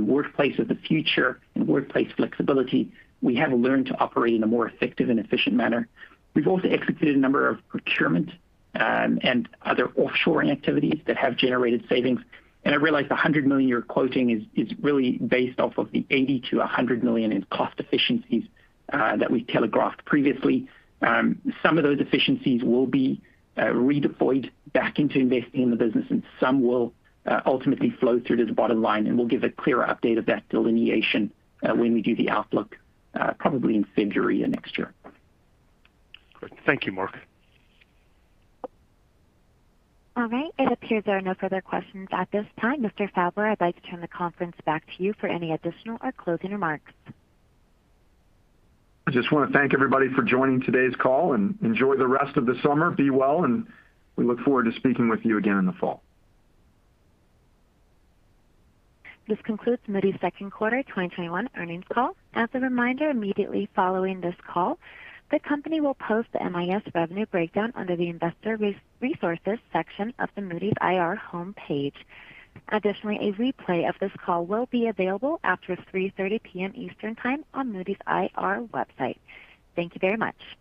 workplace of the future and workplace flexibility, we have learned to operate in a more effective and efficient manner. We've also executed a number of procurement and other offshoring activities that have generated savings. I realize the $100 million you're quoting is really based off of the $80 million-$100 million in cost efficiencies that we telegraphed previously. Some of those efficiencies will be redeployed back into investing in the business, and some will ultimately flow through to the bottom line. We'll give a clearer update of that delineation when we do the outlook probably in February of next year. Great. Thank you, Mark. All right. It appears there are no further questions at this time. Mr. Fauber, I'd like to turn the conference back to you for any additional or closing remarks. I just want to thank everybody for joining today's call. Enjoy the rest of the summer. Be well. We look forward to speaking with you again in the fall. This concludes Moody's second quarter 2021 earnings call. As a reminder, immediately following this call, the company will post the MIS revenue breakdown under the investor resources section of the Moody's IR homepage. Additionally, a replay of this call will be available after 3:30 P.M. Eastern Time on Moody's IR website. Thank you very much.